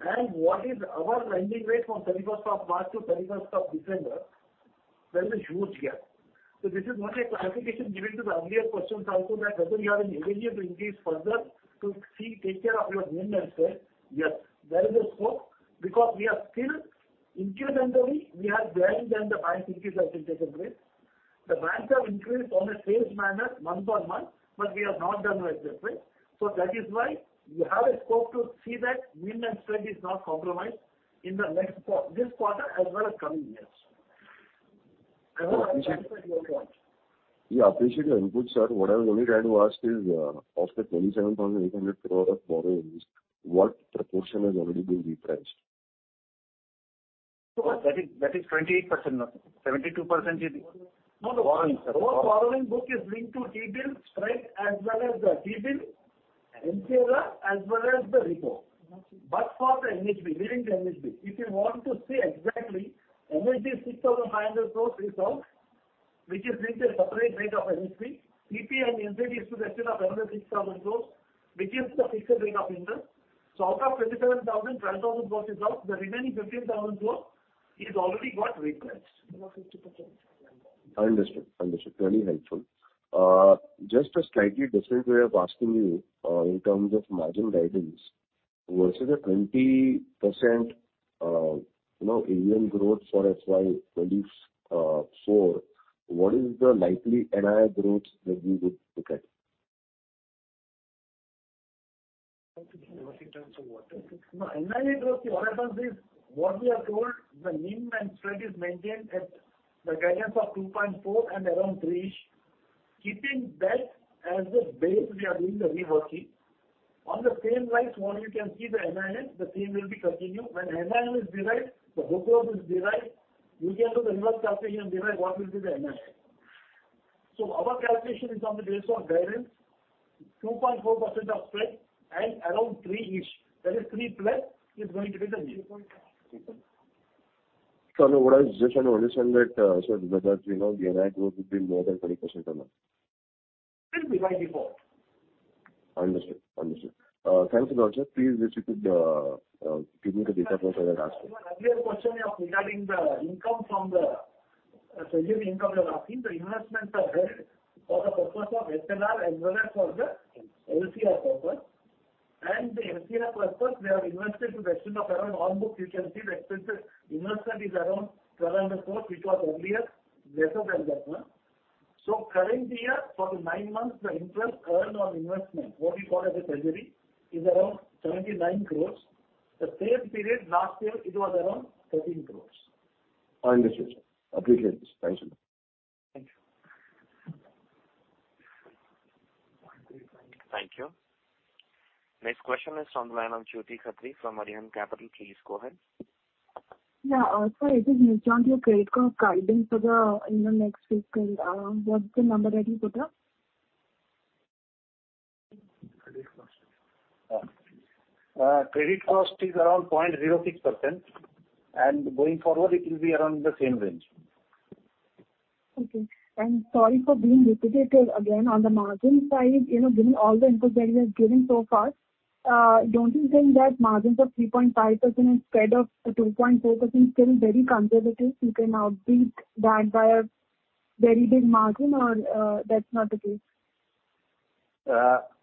and what is our lending rate from 31st of March to 31st of December, there is a huge gap. This is what a clarification giving to the earlier question also that whether you have an ability to increase further to see, take care of your NIM and spread. Yes, there is a scope because we are still incrementally we have done than the banks increase that has taken place. The banks have increased on a staged manner month-on-month, but we have not done like that way. That is why we have a scope to see that NIM and spread is not compromised in the next this quarter as well as coming years. We appreciate your input, sir. What I was only trying to ask is, of the 27,800 crore of borrowings, what proportion has already been repriced? That is 28% now. 72%. Whole borrowing book is linked to T-bill spread as well as the T-bill MCLR as well as the repo. For the NHB, leaving the NHB. If you want to see exactly NHB 6,500 crores is out, which is linked a separate rate of NHB. CP and NCD is to the extent of 11,600 crores, which is the fixed rate of interest. Out of 27,000 crores, 12,000 crores is out. The remaining 15,000 crores is already got repriced. Understood. Understood. Very helpful. Just a slightly different way of asking you, in terms of margin guidance versus the 20%, you know, AUM growth for FY24, what is the likely NII growth that we would look at? No, NII growth what happens is what we have told the NIM and spread is maintained at the guidance of 2.4 and around 3-ish. Keeping that as the base, we are doing the reversal. On the same lines, what you can see the NIM, the same will be continued. When NIM is derived, the book growth is derived. We can do the reverse calculation and derive what will be the NII. Our calculation is on the basis of guidance, 2.4% of spread and around 3-ish. That is 3+ is going to be the NIM. What I was just trying to understand that, so whether, you know, the NII growth would be more than 20% or not? It will be by default. Understood. Thank you, sir. Please if you could give me the data points I had asked for. Your earlier question of regarding the income from the treasury income you are asking. The investments are held for the purpose of SLR as well as for the LCR purpose. The LCR purpose we have invested to the extent of around on books you can see the invested investment is around 1,200 crore which was earlier lesser than that one. Current year for the nine months the interest earned on investment what we call as a treasury is around 79 crore. The same period last year it was around 13 crore. Understood, sir. Appreciate this. Thank you. Thank you. Thank you. Next question is on the line of Jyoti Khatri from Aryan Capital. Please go ahead. Yeah. sir just on your credit cost guidance for the, you know, next fiscal, what's the number that you put up? Credit cost. Credit cost is around 0.06% and going forward it will be around the same range. Okay. Sorry for being repetitive again. On the margin side, you know, given all the inputs that you have given so far, don't you think that margins of 3.5% and spread of 2.4% is still very conservative? You can outbeat that by a very big margin or that's not the case?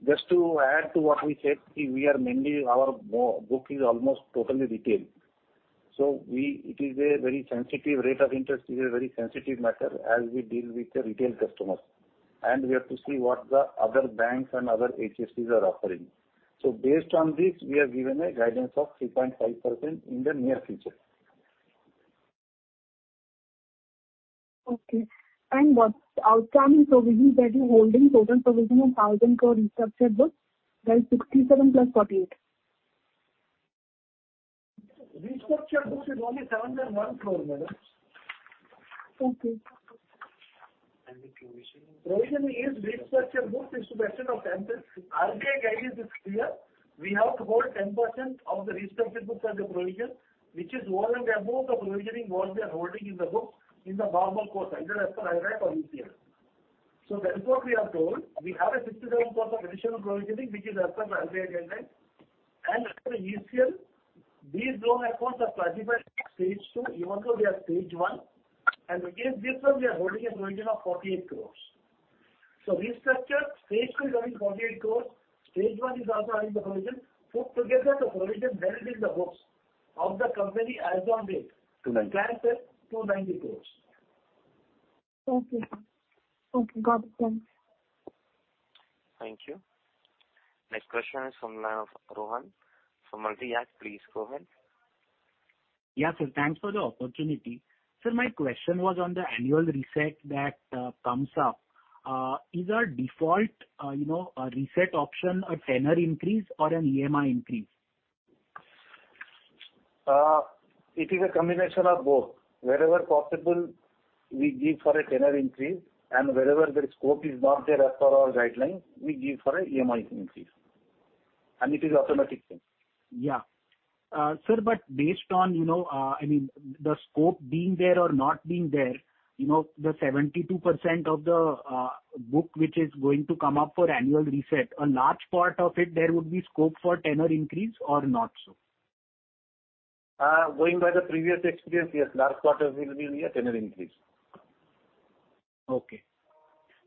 Just to add to what we said, we are mainly. Our book is almost totally retail. It is a very sensitive rate of interest, it is a very sensitive matter as we deal with the retail customers. We have to see what the other banks and other HFCs are offering. Based on this, we have given a guidance of 3.5% in the near future. Okay. What's the outcome in provisions that you're holding? Total provision on 1,000 crore restructured book, that is 67 crore plus 48 crore. Restructured book is only 701 crore, madam. Okay. Provision is restructured book is to the extent of 10%. RBI guidance is clear. We have to hold 10% of the restructured book as a provision, which is over and above the provisioning what we are holding in the books in the normal course, either as per IRAC or ECL. That is what we have told. We have a 67% additional provisioning, which is as per the RBI guidelines. As per the ECL, these loan accounts are classified Stage 2 even though they are Stage 1. Against this one, we are holding a provision of 48 crores. Restructured, Stage 2 is having 48 crores. Stage 1 is also having the provision. Put together, the provision held in the books of the company as on date, stand at 290 crores. Okay. Okay, got it. Thanks. Thank you. Next question is from the line of Rohan from Multi-Act. Please go ahead. Yeah, sir. Thanks for the opportunity. Sir, my question was on the annual reset that comes up. Is a default, you know, a reset option a tenor increase or an EMI increase? It is a combination of both. Wherever possible, we give for a tenor increase, and wherever the scope is not there as per our guidelines, we give for a EMI increase. It is automatic thing. Yeah. Sir, based on, you know, I mean, the scope being there or not being there, you know, the 72% of the book which is going to come up for annual reset, a large part of it there would be scope for tenor increase or not so? Going by the previous experience, yes, large part of it will be a tenor increase. Okay.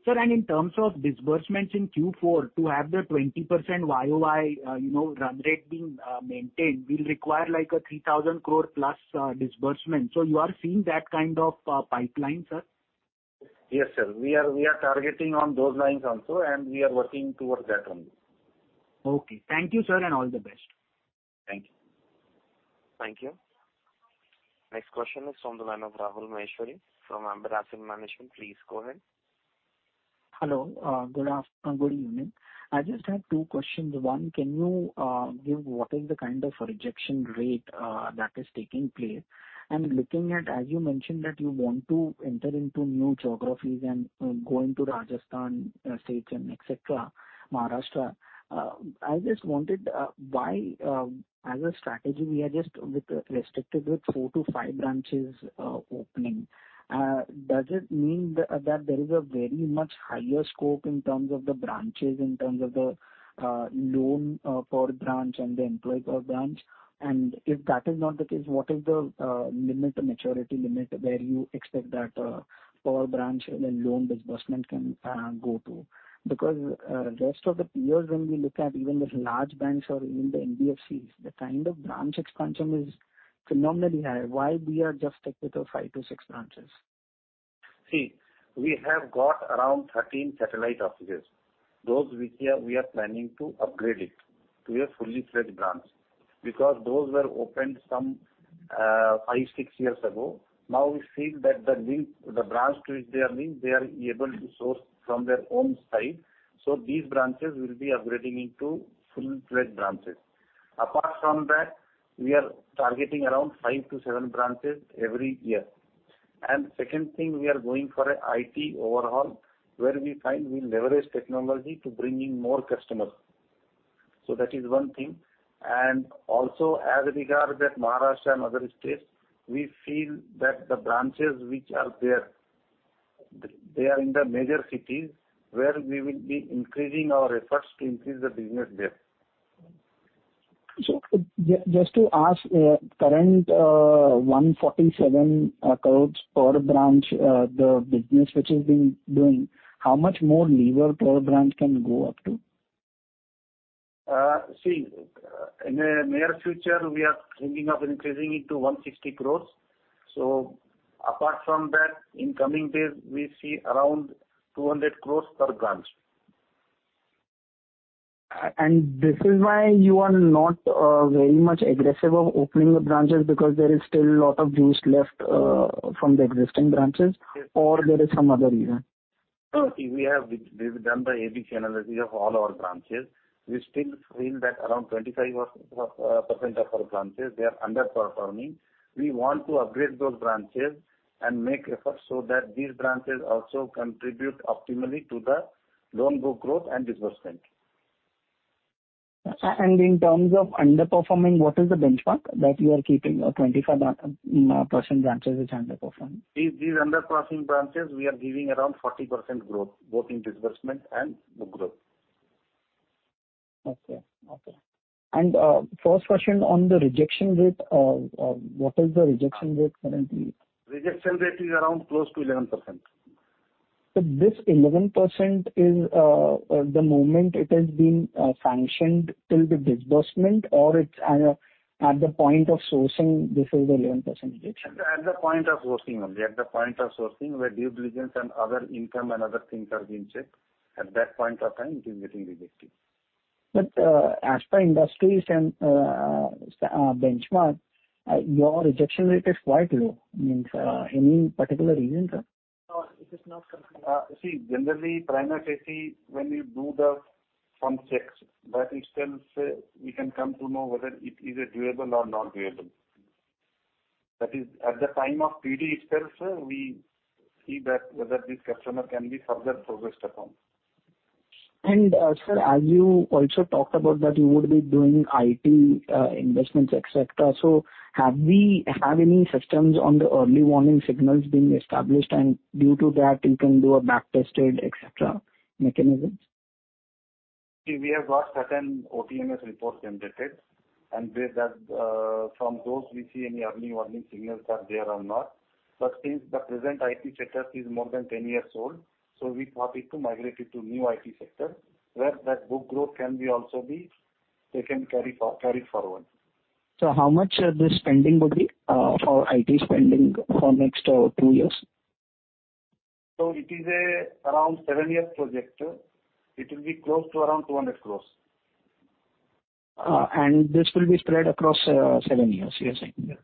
Sir, in terms of disbursements in Q4, to have the 20% YoY, you know, run rate being maintained will require, like, a 3,000 crore plus disbursement. You are seeing that kind of pipeline, sir? Yes, sir. We are targeting on those lines also, and we are working towards that only. Okay. Thank you, sir, and all the best. Thank you. Thank you. Next question is from the line of Rahul Maheshwari from Ambit Asset Management. Please go ahead. Hello. Good evening. I just have two questions. One, can you give what is the kind of rejection rate that is taking place? Looking at, as you mentioned, that you want to enter into new geographies and go into Rajasthan states and et cetera, Maharashtra, I just wanted why as a strategy, we are just restricted with four to five branches opening. Does it mean that there is a very much higher scope in terms of the branches, in terms of the loan per branch and the employee per branch? If that is not the case, what is the limit, the maturity limit where you expect that per branch and then loan disbursement can go to? Rest of the peers when we look at even the large banks or even the NBFCs, the kind of branch expansion is phenomenally high. Why we are just stuck with the five to six branches? See, we have got around 13 satellite offices. Those we here, we are planning to upgrade it to a fully fledged branch because those were opened some five, six years ago. Now we feel that the link, the branch to which they are linked, they are able to source from their own side. These branches we'll be upgrading into fully fledged branches. Apart from that, we are targeting around five to seven branches every year. Second thing, we are going for an IT overhaul where we find we leverage technology to bring in more customers. That is one thing. Also as regard that Maharashtra and other states, we feel that the branches which are there, they are in the major cities where we will be increasing our efforts to increase the business there. Just to ask, current, 147 crores per branch, the business which has been doing, how much more lever per branch can go up to? See, in the near future we are thinking of increasing it to 160 crores. Apart from that, in coming days we see around 200 crores per branch. This is why you are not very much aggressive of opening the branches because there is still lot of juice left from the existing branches. Yes. There is some other reason? No. See, we have redone the ABC analysis of all our branches. We still feel that around 25 or % of our branches, they are underperforming. We want to upgrade those branches and make efforts so that these branches also contribute optimally to the loan book growth and disbursement. In terms of underperforming, what is the benchmark that you are keeping, 25% branches which underperform? These underperforming branches, we are giving around 40% growth, both in disbursement and book growth. Okay. Okay. First question on the rejection rate. What is the rejection rate currently? Rejection rate is around close to 11%. This 11% is at the moment it has been sanctioned till the disbursement or it's at the point of sourcing, this is 11% rejection? At the point of sourcing only. At the point of sourcing where due diligence and other income and other things are being checked. At that point of time it is getting rejected. As per industries and benchmark, your rejection rate is quite low. Means, any particular reason, sir? No, it is not. See generally primary AC when you do the some checks that itself, we can come to know whether it is a doable or not doable. That is at the time of PD itself, sir, we see that whether this customer can be further progressed upon. Sir, as you also talked about that you would be doing IT investments et cetera. Have we any systems on the early warning signals being established and due to that you can do a back tested et cetera mechanisms? We have got certain OTMS report generated and with that, from those we see any early warning signals are there or not. Since the present IT sector is more than 10 years old, we thought it to migrate it to new IT sector where that book growth can be also be taken carried forward. How much this spending would be for IT spending for next two years? It is a around seven years project. It will be close to around 200 crores. This will be spread across, seven years. Yes. Yes,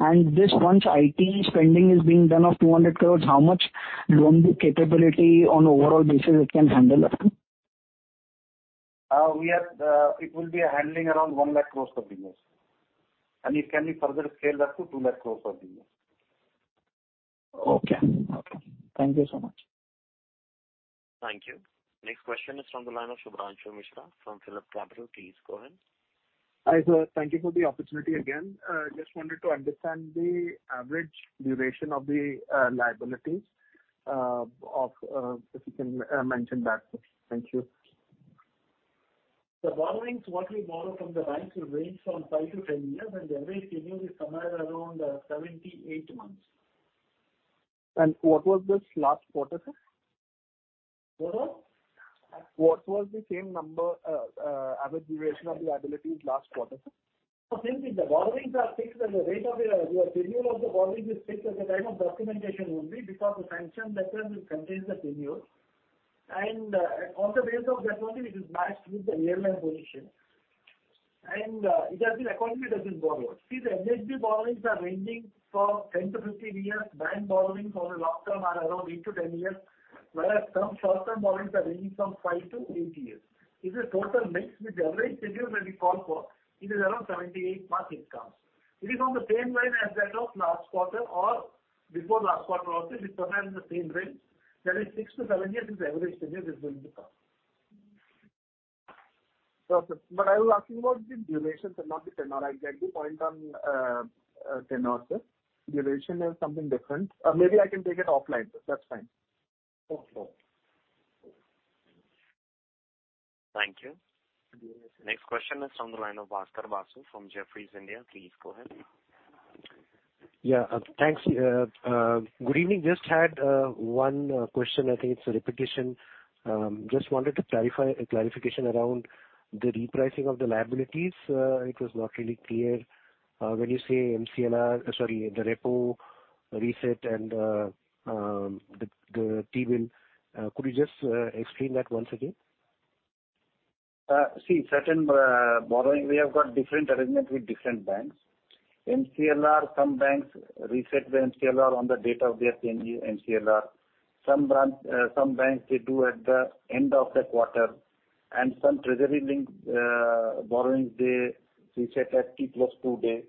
yes. This once IT spending is being done of 200 crores, how much loan book capability on overall basis it can handle up to? We have, it will be handling around 100,000 crores per year. It can be further scaled up to 200,000 crores per year. Okay. Okay. Thank you so much. Thank you. Next question is from the line of Shubhranshu Mishra from PhillipCapital. Go ahead. Hi, sir. Thank you for the opportunity again. Just wanted to understand the average duration of the liabilities, of, if you can mention that. Thank you. The borrowings what we borrow from the banks will range from five to 10 years. The average tenure is somewhere around 78 months. What was this last quarter, sir? What? What was the same number, average duration of the liabilities last quarter, sir? Same thing. The borrowings are fixed and the rate of the, your tenure of the borrowings is fixed as a time of documentation only because the sanction letter will contain the tenure. On the basis of that only it is matched with the year-end position. It has been accordingly that is borrowed. See the NHB borrowings are ranging from 10-15 years. Bank borrowings on a long term are around eight to 10 years. Whereas some short-term borrowings are ranging from fivee to eight years. It's a total mix with average tenure when we call for it is around 78 months it comes. It is on the same line as that of last quarter or before last quarter also it remains in the same range. That is six to seven years is average tenure is going to come. Okay. I was asking about the duration, sir, not the tenure. I get the point on tenure, sir. Duration is something different. Maybe I can take it offline. That's fine. Okay. Thank you. Thank you. Next question is from the line of Bhaskar Basu from Jefferies India. Please go ahead. Thanks. Good evening. Just had one question. I think it's a repetition. Just wanted to clarify, a clarification around the repricing of the liabilities. It was not really clear when you say MCLR, sorry, the repo reset and the T-bill. Could you just explain that once again? See certain borrowing we have got different arrangement with different banks. MCLR, some banks reset the MCLR on the date of their change MCLR. Some banks they do at the end of the quarter. Some treasury link borrowings they reset at T plus two day.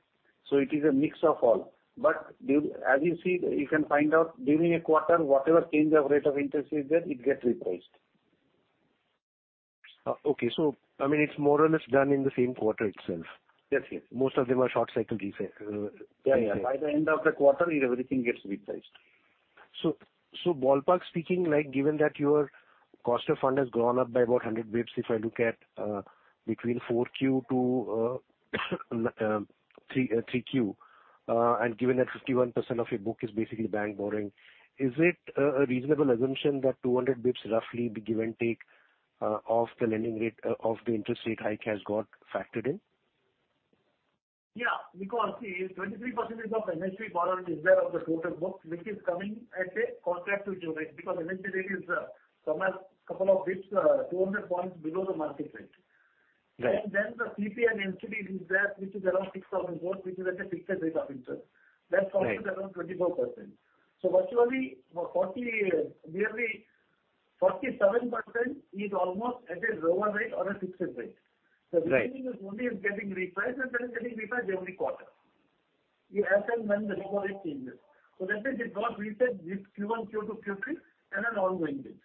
It is a mix of all. As you see you can find out during a quarter whatever change of rate of interest is there it gets repriced. Okay. I mean it's more or less done in the same quarter itself. Yes, yes. Most of them are short cycle reset. Yeah, yeah. By the end of the quarter it everything gets repriced. Ballpark speaking, like given that your cost of fund has gone up by about 100 basis points if I look at between 4Q to 3Q. Given that 51% of your book is basically bank borrowing, is it a reasonable assumption that 200 basis points roughly be give and take, of the lending rate, of the interest rate hike has got factored in? Yeah. See 23% of NHB borrowing is there of the total book which is coming at a contractually rate because NHB rate is somewhat couple of basis points, 200 points below the market rate. Right. The CP and NCD is there which is around 6,000 crores which is at a fixed rate of interest. Right. That comes at around 24%. Virtually nearly 47% is almost at a lower rate or a fixed rate. Right. Remaining is only getting repriced and that is getting repriced every quarter. As and when the repo rate changes. That means it got reset with Q1, Q2, Q3 and an ongoing basis.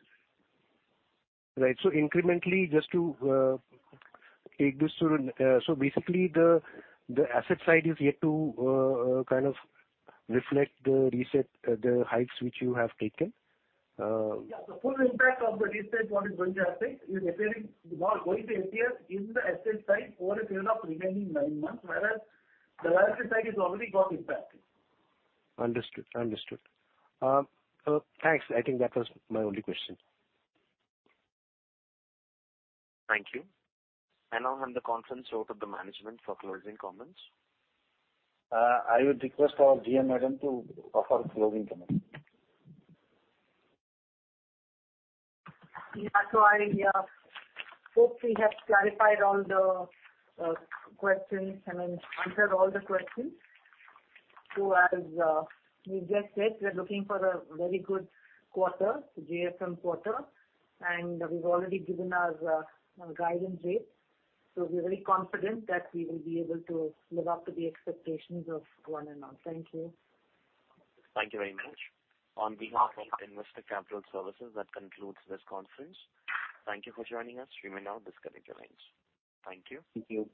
Right. Incrementally the asset side is yet to kind of reflect the reset, the hikes which you have taken. Yeah. The full impact of the reset what is going to happen is appearing, going to appear in the asset side over a period of remaining nine months, whereas the liability side is already got impacted. Understood. Understood. Thanks. I think that was my only question. Thank you. I now hand the conference over to the management for closing comments. I would request our GM madam to offer closing comments. Yeah. I hope we have clarified all the questions. I mean, answered all the questions. As we just said, we are looking for a very good quarter, JFM quarter, and we've already given our guidance rate. We're very confident that we will be able to live up to the expectations of one and all. Thank you. Thank you very much. On behalf of Investec Capital Services, that concludes this conference. Thank you for joining us. You may now disconnect your lines. Thank you. Thank you.